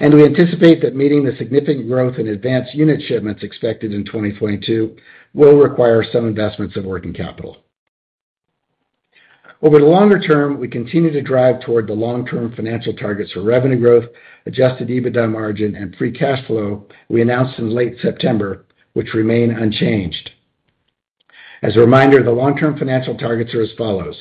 We anticipate that meeting the significant growth in advanced unit shipments expected in 2022 will require some investments in working capital. Over the longer term, we continue to drive toward the long-term financial targets for revenue growth, adjusted EBITDA margin, and free cash flow we announced in late September, which remain unchanged. As a reminder, the long-term financial targets are as follows.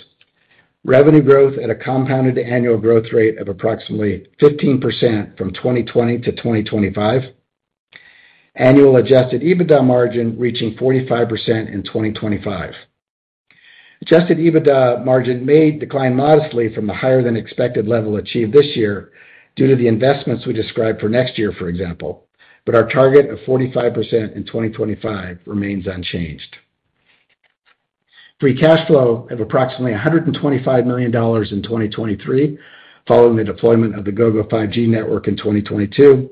Revenue growth at a compounded annual growth rate of approximately 15% from 2020 to 2025. Annual adjusted EBITDA margin reaching 45% in 2025. Adjusted EBITDA margin may decline modestly from the higher than expected level achieved this year due to the investments we described for next year, for example, but our target of 45% in 2025 remains unchanged. Free cash flow of approximately $125 million in 2023, following the deployment of the Gogo 5G network in 2022,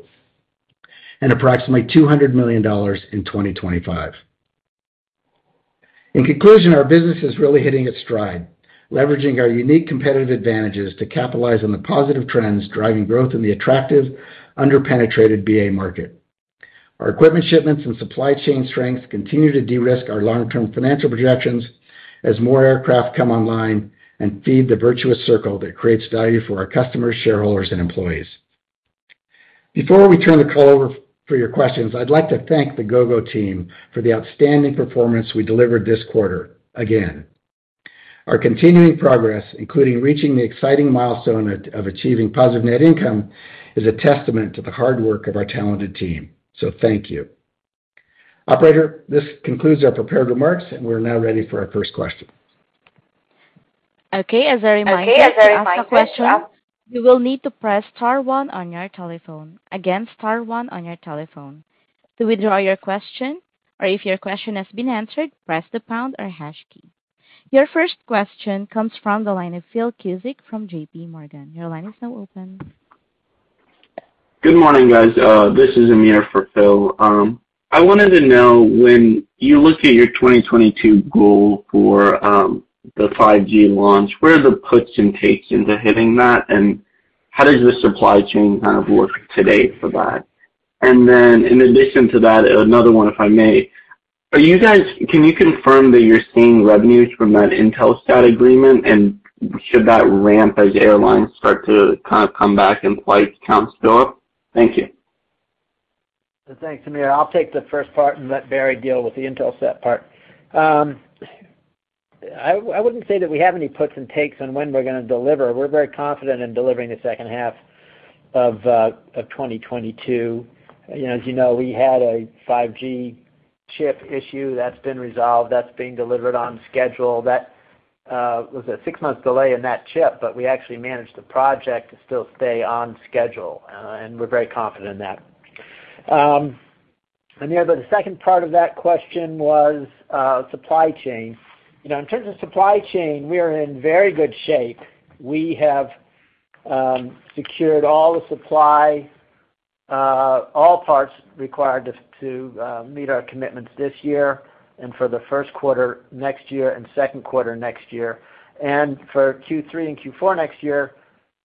and approximately $200 million in 2025. In conclusion, our business is really hitting its stride, leveraging our unique competitive advantages to capitalize on the positive trends, driving growth in the attractive under-penetrated BA market. Our equipment shipments and supply chain strengths continue to de-risk our long-term financial projections as more aircraft come online and feed the virtuous circle that creates value for our customers, shareholders, and employees. Before we turn the call over for your questions, I'd like to thank the Gogo team for the outstanding performance we delivered this quarter again. Our continuing progress, including reaching the exciting milestone of achieving positive net income, is a testament to the hard work of our talented team. Thank you. Operator, this concludes our prepared remarks, and we're now ready for our first question. Okay. As a reminder, to ask a question, you will need to press star one on your telephone. Again, star one on your telephone. To withdraw your question, or if your question has been answered, press the pound or hash key. Your first question comes from the line of Phil Cusick from J.P. Morgan. Your line is now open. Good morning, guys. This is Amir for Phil. I wanted to know when you look at your 2022 goal for the 5G launch, where are the puts and takes into hitting that, and how does the supply chain kind of work today for that? In addition to that, another one, if I may, can you confirm that you're seeing revenues from that Intelsat agreement? Should that ramp as airlines start to kind of come back and flight counts go up? Thank you. Thanks, Amir. I'll take the first part and let Barry deal with the Intelsat part. I wouldn't say that we have any puts and takes on when we're gonna deliver. We're very confident in delivering the second half of 2022. As you know, we had a 5G chip issue that's been resolved, that's being delivered on schedule. That was a six-month delay in that chip, but we actually managed the project to still stay on schedule, and we're very confident in that. Amir, the second part of that question was supply chain. You know, in terms of supply chain, we are in very good shape. We have secured all the supply, all parts required to meet our commitments this year and for the first quarter next year and second quarter next year. For Q3 and Q4 next year.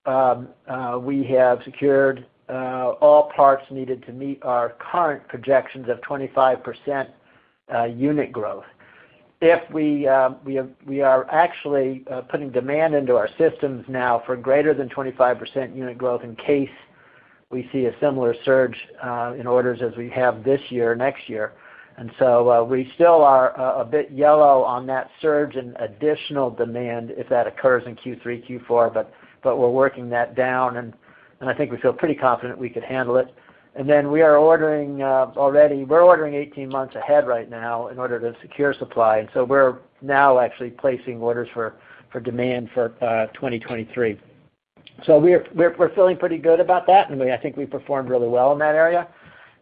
We have secured all parts needed to meet our current projections of 25% unit growth. We are actually putting demand into our systems now for greater than 25% unit growth in case we see a similar surge in orders as we have this year, next year. We still are a bit yellow on that surge in additional demand if that occurs in Q3, Q4, but we're working that down, and I think we feel pretty confident we could handle it. We are ordering already. We're ordering 18 months ahead right now in order to secure supply. We're now actually placing orders for demand for 2023. We're feeling pretty good about that, and I think we performed really well in that area.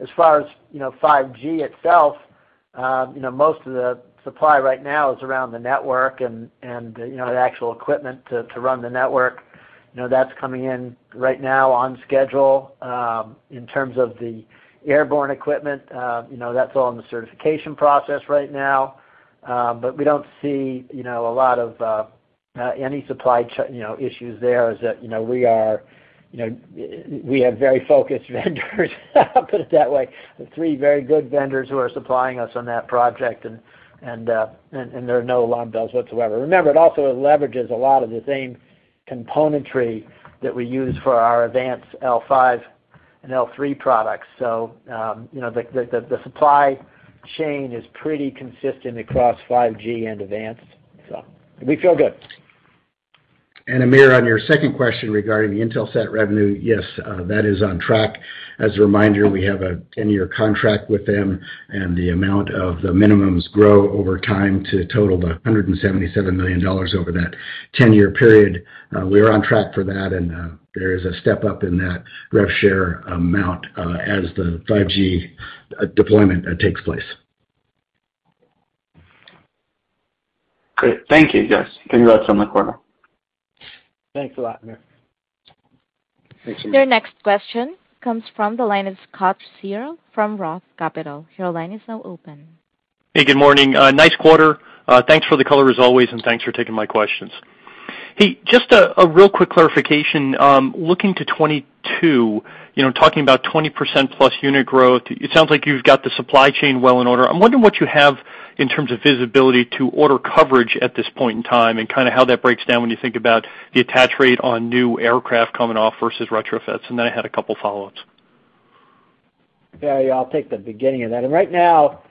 As far as, you know, 5G itself, you know, most of the supply right now is around the network and, you know, the actual equipment to run the network. You know, that's coming in right now on schedule. In terms of the airborne equipment, you know, that's all in the certification process right now. But we don't see, you know, a lot of any supply issues there, you know, we have very focused vendors, I'll put it that way. Three very good vendors who are supplying us on that project, and there are no alarm bells whatsoever. Remember, it also leverages a lot of the same componentry that we use for our AVANCE L5 and L3 products. You know, the supply chain is pretty consistent across 5G and AVANCE. We feel good. Amir, on your second question regarding the Intelsat revenue, yes, that is on track. As a reminder, we have a ten-year contract with them, and the amount of the minimums grow over time to total about $177 million over that ten-year period. We are on track for that, and there is a step-up in that rev share amount, as the 5G deployment takes place. Great. Thank you, guys. Congrats on the quarter. Thanks a lot, Amir. Thanks, Amir. Your next question comes from the line of Scott Searle from ROTH Capital Partners. Your line is now open. Hey, good morning. Nice quarter. Thanks for the color as always, and thanks for taking my questions. Hey, just a real quick clarification. Looking to 2022, you know, talking about 20% plus unit growth, it sounds like you've got the supply chain well in order. I'm wondering what you have in terms of visibility to order coverage at this point in time and kind of how that breaks down when you think about the attach rate on new aircraft coming off versus retrofits. Then I had a couple follow-ups. Barry, I'll take the beginning of that. Right now,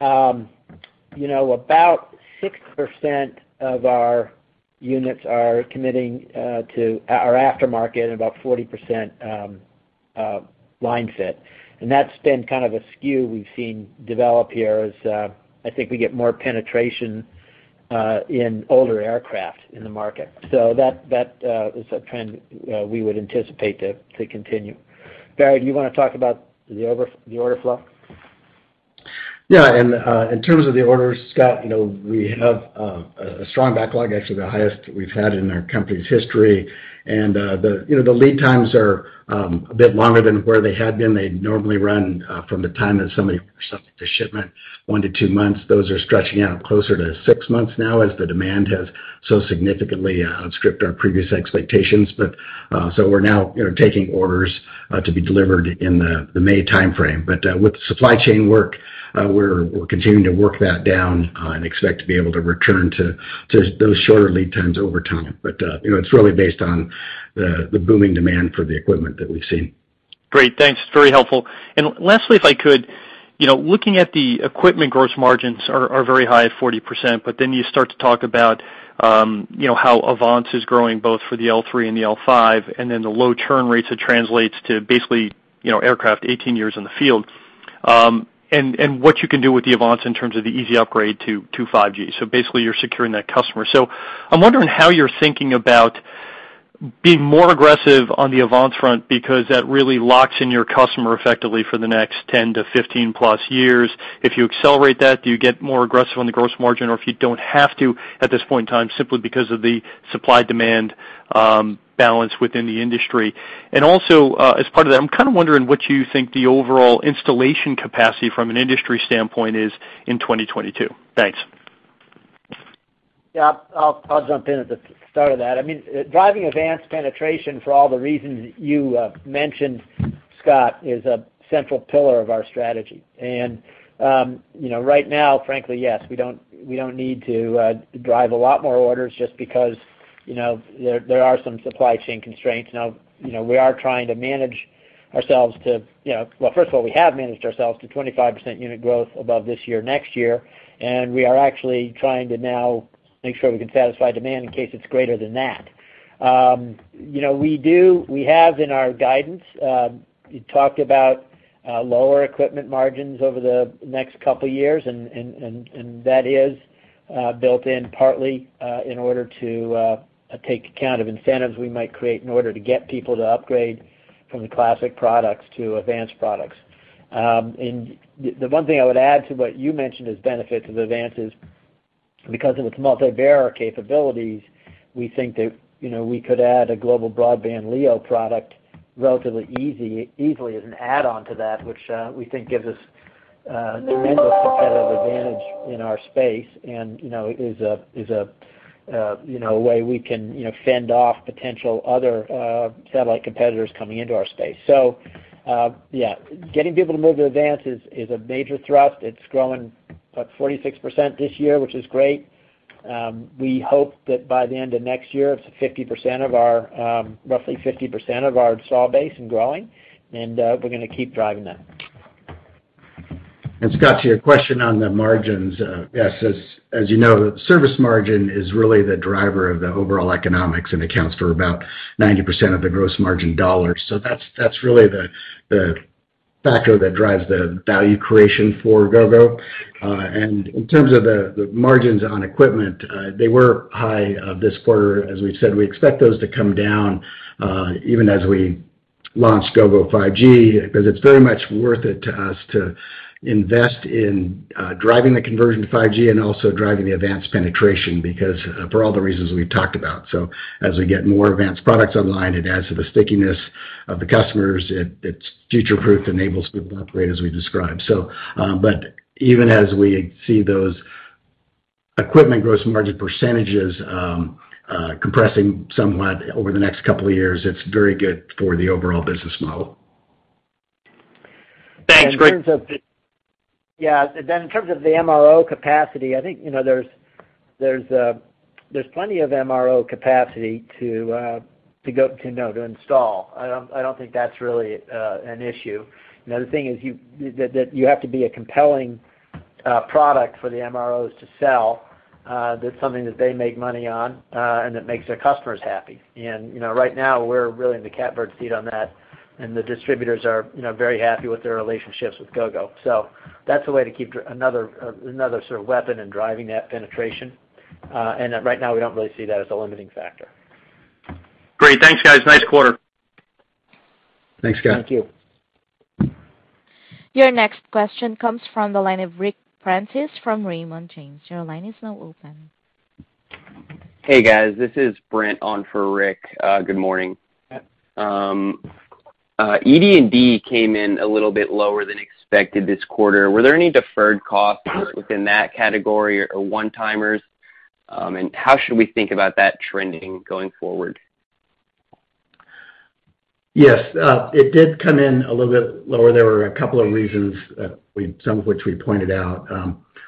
you know, about 6% of our units are committing to our aftermarket and about 40% line fit. That's been kind of a skew we've seen develop here as I think we get more penetration in older aircraft in the market. That is a trend we would anticipate to continue. Barry, do you wanna talk about the order flow? Yeah. In terms of the orders, Scott, you know, we have a strong backlog, actually the highest we've had in our company's history. You know, the lead times are a bit longer than where they had been. They normally run from the time that somebody accepts a shipment, one to two months. Those are stretching out closer to six months now as the demand has so significantly outstripped our previous expectations. We're now, you know, taking orders to be delivered in the May timeframe. With the supply chain work, we're continuing to work that down and expect to be able to return to those shorter lead times over time. You know, it's really based on the booming demand for the equipment that we've seen. Great. Thanks. Very helpful. Lastly, if I could, you know, looking at the equipment gross margins are very high at 40%, but then you start to talk about, you know, how AVANCE is growing both for the L3 and the L5, and then the low churn rates that translates to basically, you know, aircraft 18 years in the field, and what you can do with the AVANCE in terms of the easy upgrade to 5G. Basically, you're securing that customer. I'm wondering how you're thinking about being more aggressive on the AVANCE front because that really locks in your customer effectively for the next 10-15+ years. If you accelerate that, do you get more aggressive on the gross margin? If you don't have to at this point in time simply because of the supply-demand balance within the industry. Also, as part of that, I'm kind of wondering what you think the overall installation capacity from an industry standpoint is in 2022. Thanks. Yeah. I'll jump in at the start of that. I mean, driving AVANCE penetration for all the reasons you mentioned, Scott, is a central pillar of our strategy. You know, right now, frankly, yes, we don't need to drive a lot more orders just because, you know, there are some supply chain constraints. Now, you know, we are trying to manage ourselves to, you know. Well, first of all, we have managed ourselves to 25% unit growth above this year, next year, and we are actually trying to now make sure we can satisfy demand in case it's greater than that. You know, we do. We have in our guidance, we talked about lower equipment margins over the next couple years, and that is built in partly in order to take account of incentives we might create in order to get people to upgrade from the classic products to AVANCE products. The one thing I would add to what you mentioned as benefits of AVANCE is because of its multi-bearer capabilities, we think that we could add a global broadband LEO product relatively easily as an add-on to that, which we think gives us a tremendous competitive advantage in our space and is a way we can fend off potential other satellite competitors coming into our space. Getting people to move to AVANCE is a major thrust. It's growing about 46% this year, which is great. We hope that by the end of next year, it's roughly 50% of our installed base and growing, and we're gonna keep driving that. Scott, to your question on the margins. Yes, as you know, service margin is really the driver of the overall economics and accounts for about 90% of the gross margin dollars. That's really the factor that drives the value creation for Gogo. In terms of the margins on equipment, they were high this quarter, as we've said. We expect those to come down even as we launch Gogo 5G, 'cause it's very much worth it to us to invest in driving the conversion to 5G and also driving the advanced penetration because for all the reasons we've talked about. As we get more advanced products online, it adds to the stickiness of the customers. It's future-proofed, enables people to operate as we described. Even as we see those equipment gross margin percentages compressing somewhat over the next couple of years, it's very good for the overall business model. Thanks. Great. In terms of the MRO capacity, I think you know there's plenty of MRO capacity to install. I don't think that's really an issue. You know, the thing is that you have to be a compelling product for the MROs to sell, that's something that they make money on, and that makes their customers happy. You know, right now we're really in the catbird seat on that, and the distributors are you know very happy with their relationships with Gogo. That's a way to keep another sort of weapon in driving that penetration. Right now, we don't really see that as a limiting factor. Great. Thanks, guys. Nice quarter. Thanks, Scott. Thank you. Your next question comes from the line of Ric Prentiss from Raymond James. Your line is now open. Hey, guys. This is Brent on for Rick. Good morning. Yeah. ED&D came in a little bit lower than expected this quarter. Were there any deferred costs within that category or one-timers? How should we think about that trending going forward? Yes. It did come in a little bit lower. There were a couple of reasons, some of which we pointed out.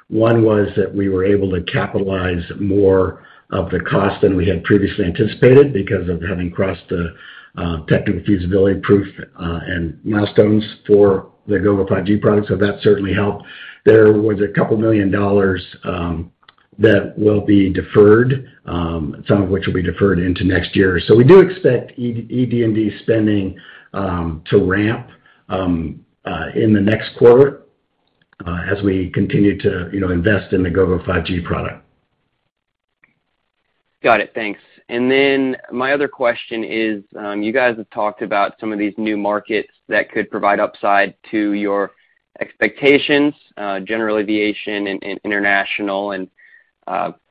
One was that we were able to capitalize more of the cost than we had previously anticipated because of having crossed the technical feasibility proof and milestones for the Gogo 5G product. That certainly helped. There was $2 million that will be deferred, some of which will be deferred into next year. We do expect ED&D spending to ramp in the next quarter as we continue to, you know, invest in the Gogo 5G product. Got it. Thanks. My other question is, you guys have talked about some of these new markets that could provide upside to your expectations, general aviation and international and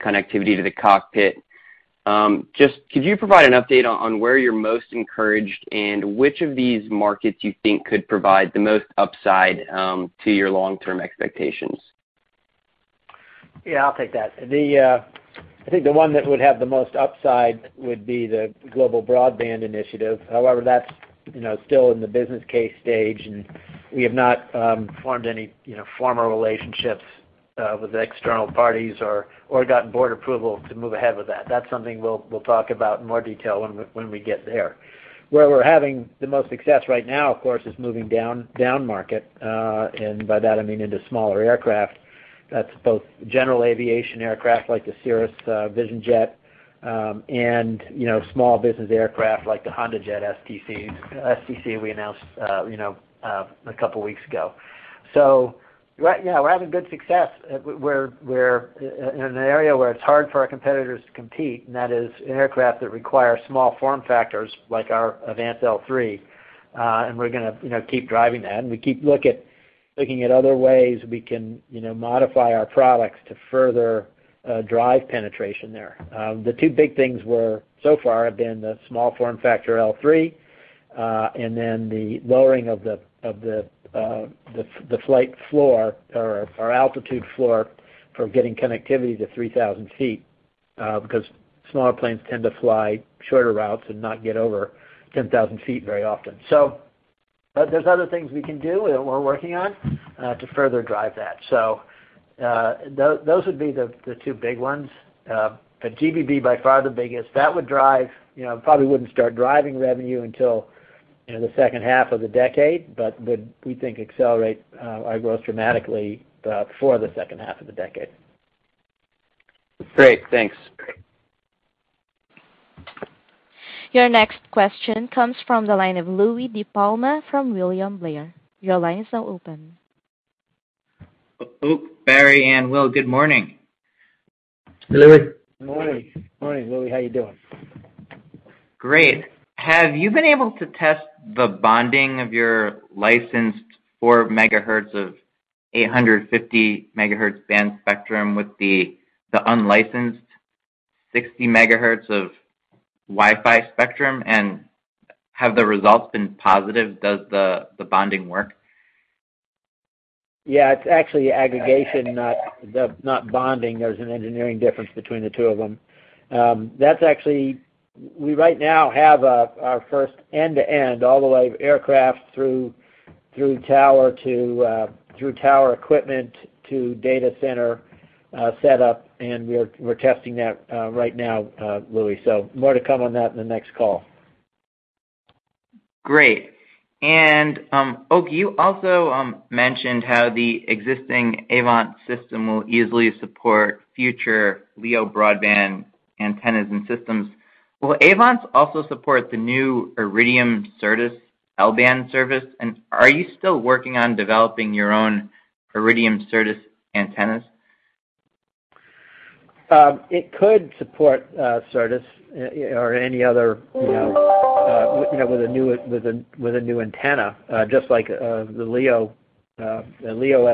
connectivity to the cockpit. Just could you provide an update on where you're most encouraged and which of these markets you think could provide the most upside to your long-term expectations? Yeah, I'll take that. I think the one that would have the most upside would be the global broadband initiative. However, that's, you know, still in the business case stage, and we have not formed any, you know, formal relationships with external parties or gotten board approval to move ahead with that. That's something we'll talk about in more detail when we get there. Where we're having the most success right now, of course, is moving down market, and by that I mean into smaller aircraft. That's both general aviation aircraft like the Cirrus Vision Jet, and you know, small business aircraft like the HondaJet STC we announced a couple weeks ago. Yeah, we're having good success. We're in an area where it's hard for our competitors to compete, and that is an aircraft that requires small form factors like our AVANCE L3. We're gonna keep driving that, and we're looking at other ways we can modify our products to further drive penetration there. The two big things so far have been the small form factor L3, and then the lowering of the flight floor or our altitude floor for getting connectivity to 3,000 ft, because smaller planes tend to fly shorter routes and not get over 10,000 ft very often. But there's other things we can do and we're working on to further drive that. Those would be the two big ones. But GBB by far the biggest. That would drive, you know, probably wouldn't start driving revenue until, you know, the second half of the decade, but would, we think, accelerate our growth dramatically for the second half of the decade. Great. Thanks. Your next question comes from the line of Louie DiPalma from William Blair. Your line is now open. Barry and Will, good morning. Louis. Morning. Morning, Louis. How you doing? Great. Have you been able to test the bonding of your licensed 4 MHz of 850 MHz band spectrum with the unlicensed 60 MHz of Wi-Fi spectrum? Have the results been positive? Does the bonding work? Yeah. It's actually aggregation, not bonding. There's an engineering difference between the two of them. That's actually we right now have our first end-to-end all the way aircraft through tower to tower equipment to data center set up, and we're testing that right now, Louis. More to come on that in the next call. Great. Oak, you also mentioned how the existing AVANCE system will easily support future LEO broadband antennas and systems. Will AVANCE also support the new Iridium Certus L-band service, and are you still working on developing your own Iridium Certus antennas? It could support Certus or any other, you know, with a new antenna, just like the LEO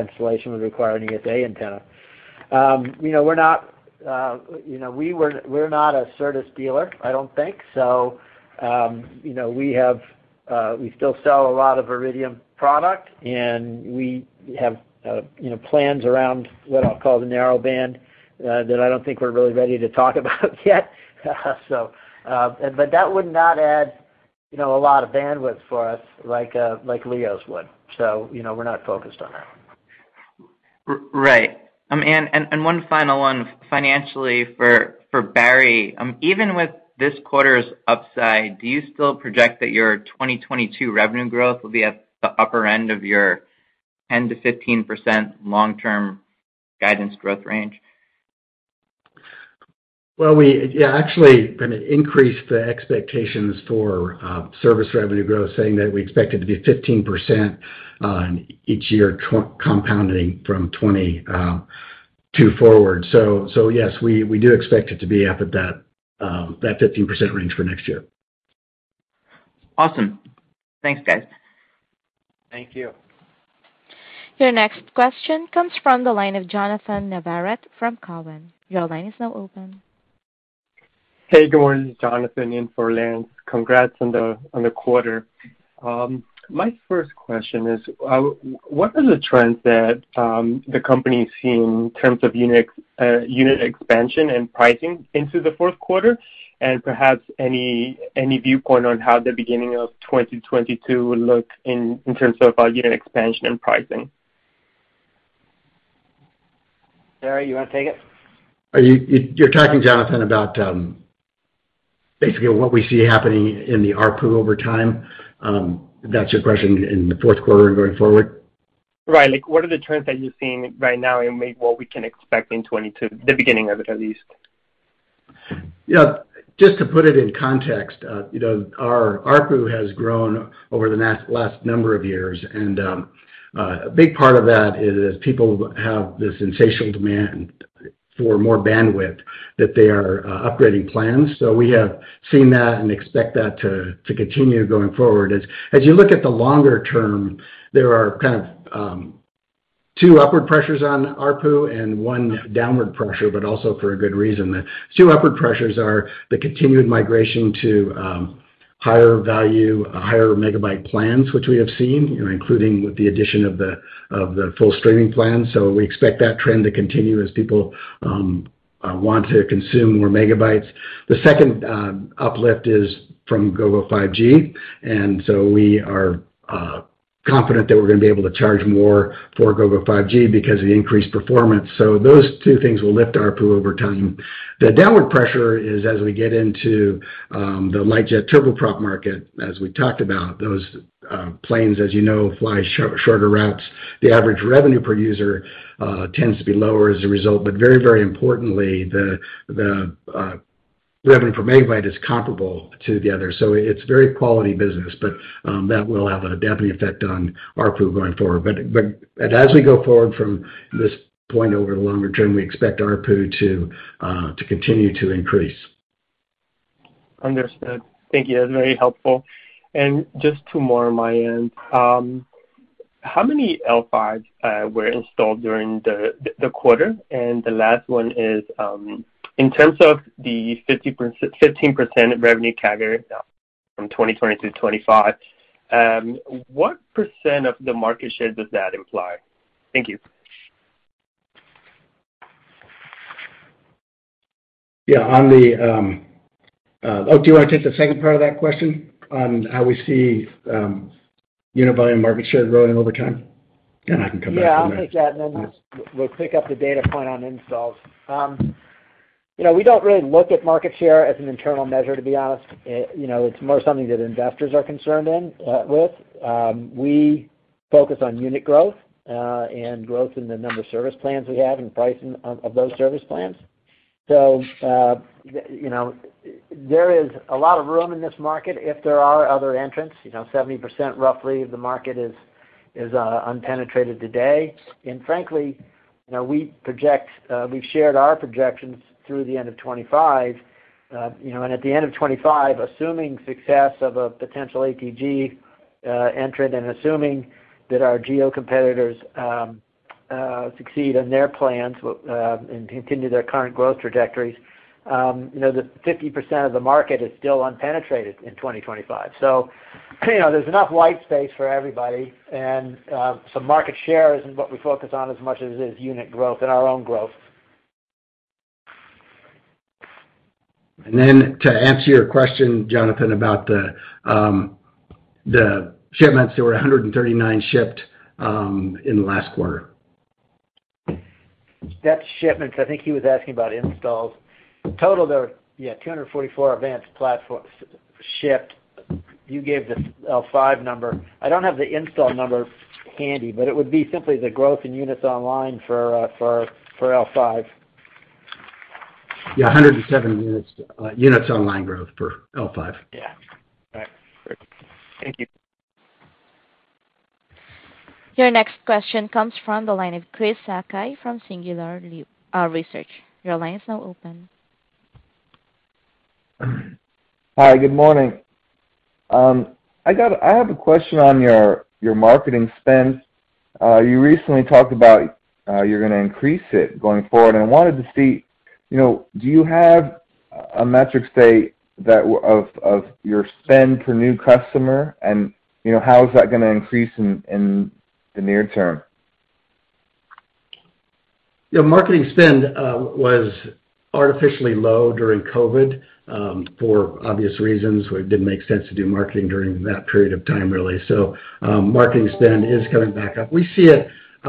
installation would require a new LEO antenna. You know, we're not a Certus dealer, I don't think. You know, we still sell a lot of Iridium product, and we have you know, plans around what I'll call the narrow band that I don't think we're really ready to talk about yet. But that would not add, you know, a lot of bandwidth for us like LEOs would. You know, we're not focused on that. Right. One final one financially for Barry. Even with this quarter's upside, do you still project that your 2022 revenue growth will be at the upper end of your 10%-15% long-term guidance growth range? Actually gonna increase the expectations for service revenue growth, saying that we expect it to be 15% each year compounding from 2022 forward. Yes, we do expect it to be up at that 15% range for next year. Awesome. Thanks, guys. Thank you. Your next question comes from the line of Jonnathan Navarrete from Cowen. Your line is now open. Hey, good morning. This is Jonathan in for Lance. Congrats on the quarter. My first question is, what are the trends that the company is seeing in terms of unit expansion and pricing into the fourth quarter? Perhaps any viewpoint on how the beginning of 2022 will look in terms of unit expansion and pricing. Barry, you wanna take it? You, you're talking, Jonathan, about basically what we see happening in the ARPU over time? That's your question in the fourth quarter and going forward? Right. Like, what are the trends that you're seeing right now and maybe what we can expect in 2022, the beginning of it, at least? Yeah. Just to put it in context, you know, our ARPU has grown over the last number of years, and a big part of that is people have this insatiable demand for more bandwidth that they are upgrading plans. We have seen that and expect that to continue going forward. As you look at the longer term, there are kind of two upward pressures on ARPU and one downward pressure, but also for a good reason. The two upward pressures are the continued migration to higher value, higher megabyte plans, which we have seen, you know, including with the addition of the full streaming plan. We expect that trend to continue as people want to consume more megabytes. The second uplift is from Gogo 5G, and so we are confident that we're gonna be able to charge more for Gogo 5G because of the increased performance. Those two things will lift ARPU over time. The downward pressure is as we get into the light jet turboprop market, as we talked about, those planes, as you know, fly shorter routes. The average revenue per user tends to be lower as a result. Very importantly, the revenue per megabyte is comparable to the other. It's very quality business, but that will have a dampening effect on ARPU going forward. As we go forward from this point over the longer term, we expect ARPU to continue to increase. Understood. Thank you. That's very helpful. Just two more on my end. How many L5s were installed during the quarter? The last one is, in terms of the 15% revenue CAGR from 2020 to 2025, what % of the market share does that imply? Thank you. Yeah. On the Oak, Do you want to take the second part of that question? On how we see unit volume market share growing over time? I can come back in there. Yeah. I'll take that, and then we'll pick up the data point on installs. You know, we don't really look at market share as an internal measure, to be honest. You know, it's more something that investors are concerned with. We focus on unit growth and growth in the number of service plans we have and pricing of those service plans. You know, there is a lot of room in this market if there are other entrants. You know, roughly 70% of the market is unpenetrated today. Frankly, you know, we project, we've shared our projections through the end of 2025, you know, and at the end of 2025, assuming success of a potential ATG entrant and assuming that our GEO competitors succeed in their plans and continue their current growth trajectories. You know, 50% of the market is still unpenetrated in 2025. You know, there's enough white space for everybody, and so market share isn't what we focus on as much as it is unit growth and our own growth. To answer your question, Jonathan, about the shipments, there were 139 shipped in the last quarter. That's shipments. I think he was asking about installs. Total, there were, yeah, 244 advanced platforms shipped. You gave the L5 number. I don't have the install number handy, but it would be simply the growth in units online for L5. Yeah, 107 units online growth for L5. Yeah. All right. Great. Thank you. Your next question comes from the line of Joichi Sakai from Singular Research. Your line is now open. Hi, good morning. I have a question on your marketing spend. You recently talked about you're gonna increase it going forward. I wanted to see, you know, do you have a metric, say, that of your spend per new customer, and, you know, how is that gonna increase in the near term? Yeah. Marketing spend was artificially low during COVID for obvious reasons. It didn't make sense to do marketing during that period of time, really. Marketing spend is coming back up. We see it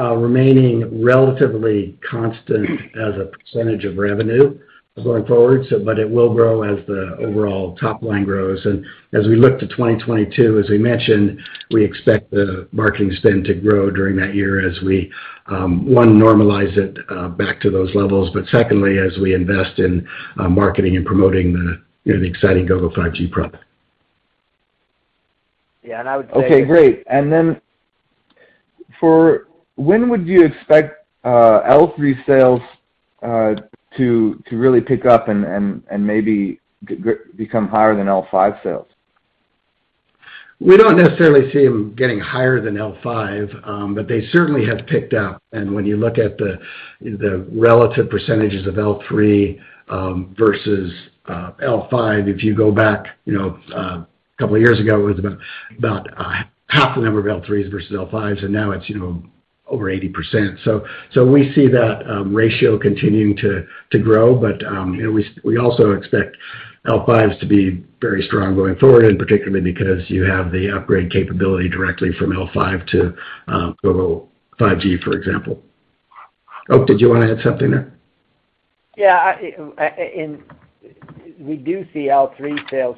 remaining relatively constant as a percentage of revenue going forward, but it will grow as the overall top line grows. As we look to 2022, as we mentioned, we expect the marketing spend to grow during that year as we one, normalize it back to those levels, but secondly, as we invest in marketing and promoting the, you know, the exciting Gogo 5G product. Yeah. I would say. Okay. Great. For when would you expect L-three sales to really pick up and maybe become higher than L-five sales? We don't necessarily see them getting higher than L5, but they certainly have picked up. When you look at the relative percentages of L3 versus L5, if you go back, you know, a couple of years ago, it was about half the number of L3s versus L5s, and now it's, you know, over 80%. We see that ratio continuing to grow. You know, we also expect L5s to be very strong going forward, and particularly because you have the upgrade capability directly from L5 to Gogo 5G, for example. Oak, did you want to add something there? Yeah. We do see L3 sales.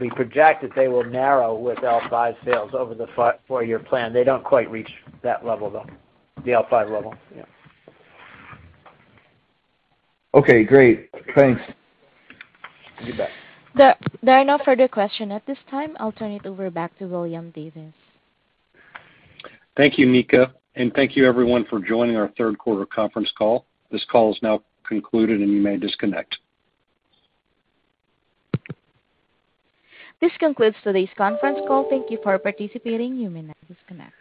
We project that they will narrow with L5 sales over the four-year plan. They don't quite reach that level, though, the L5 level. Yeah. Okay, great. Thanks. You bet. There are no further question at this time. I'll turn it over back to William Davis. Thank you, Nika, and thank you everyone for joining our third quarter conference call. This call is now concluded, and you may disconnect. This concludes today's conference call. Thank you for participating. You may now disconnect.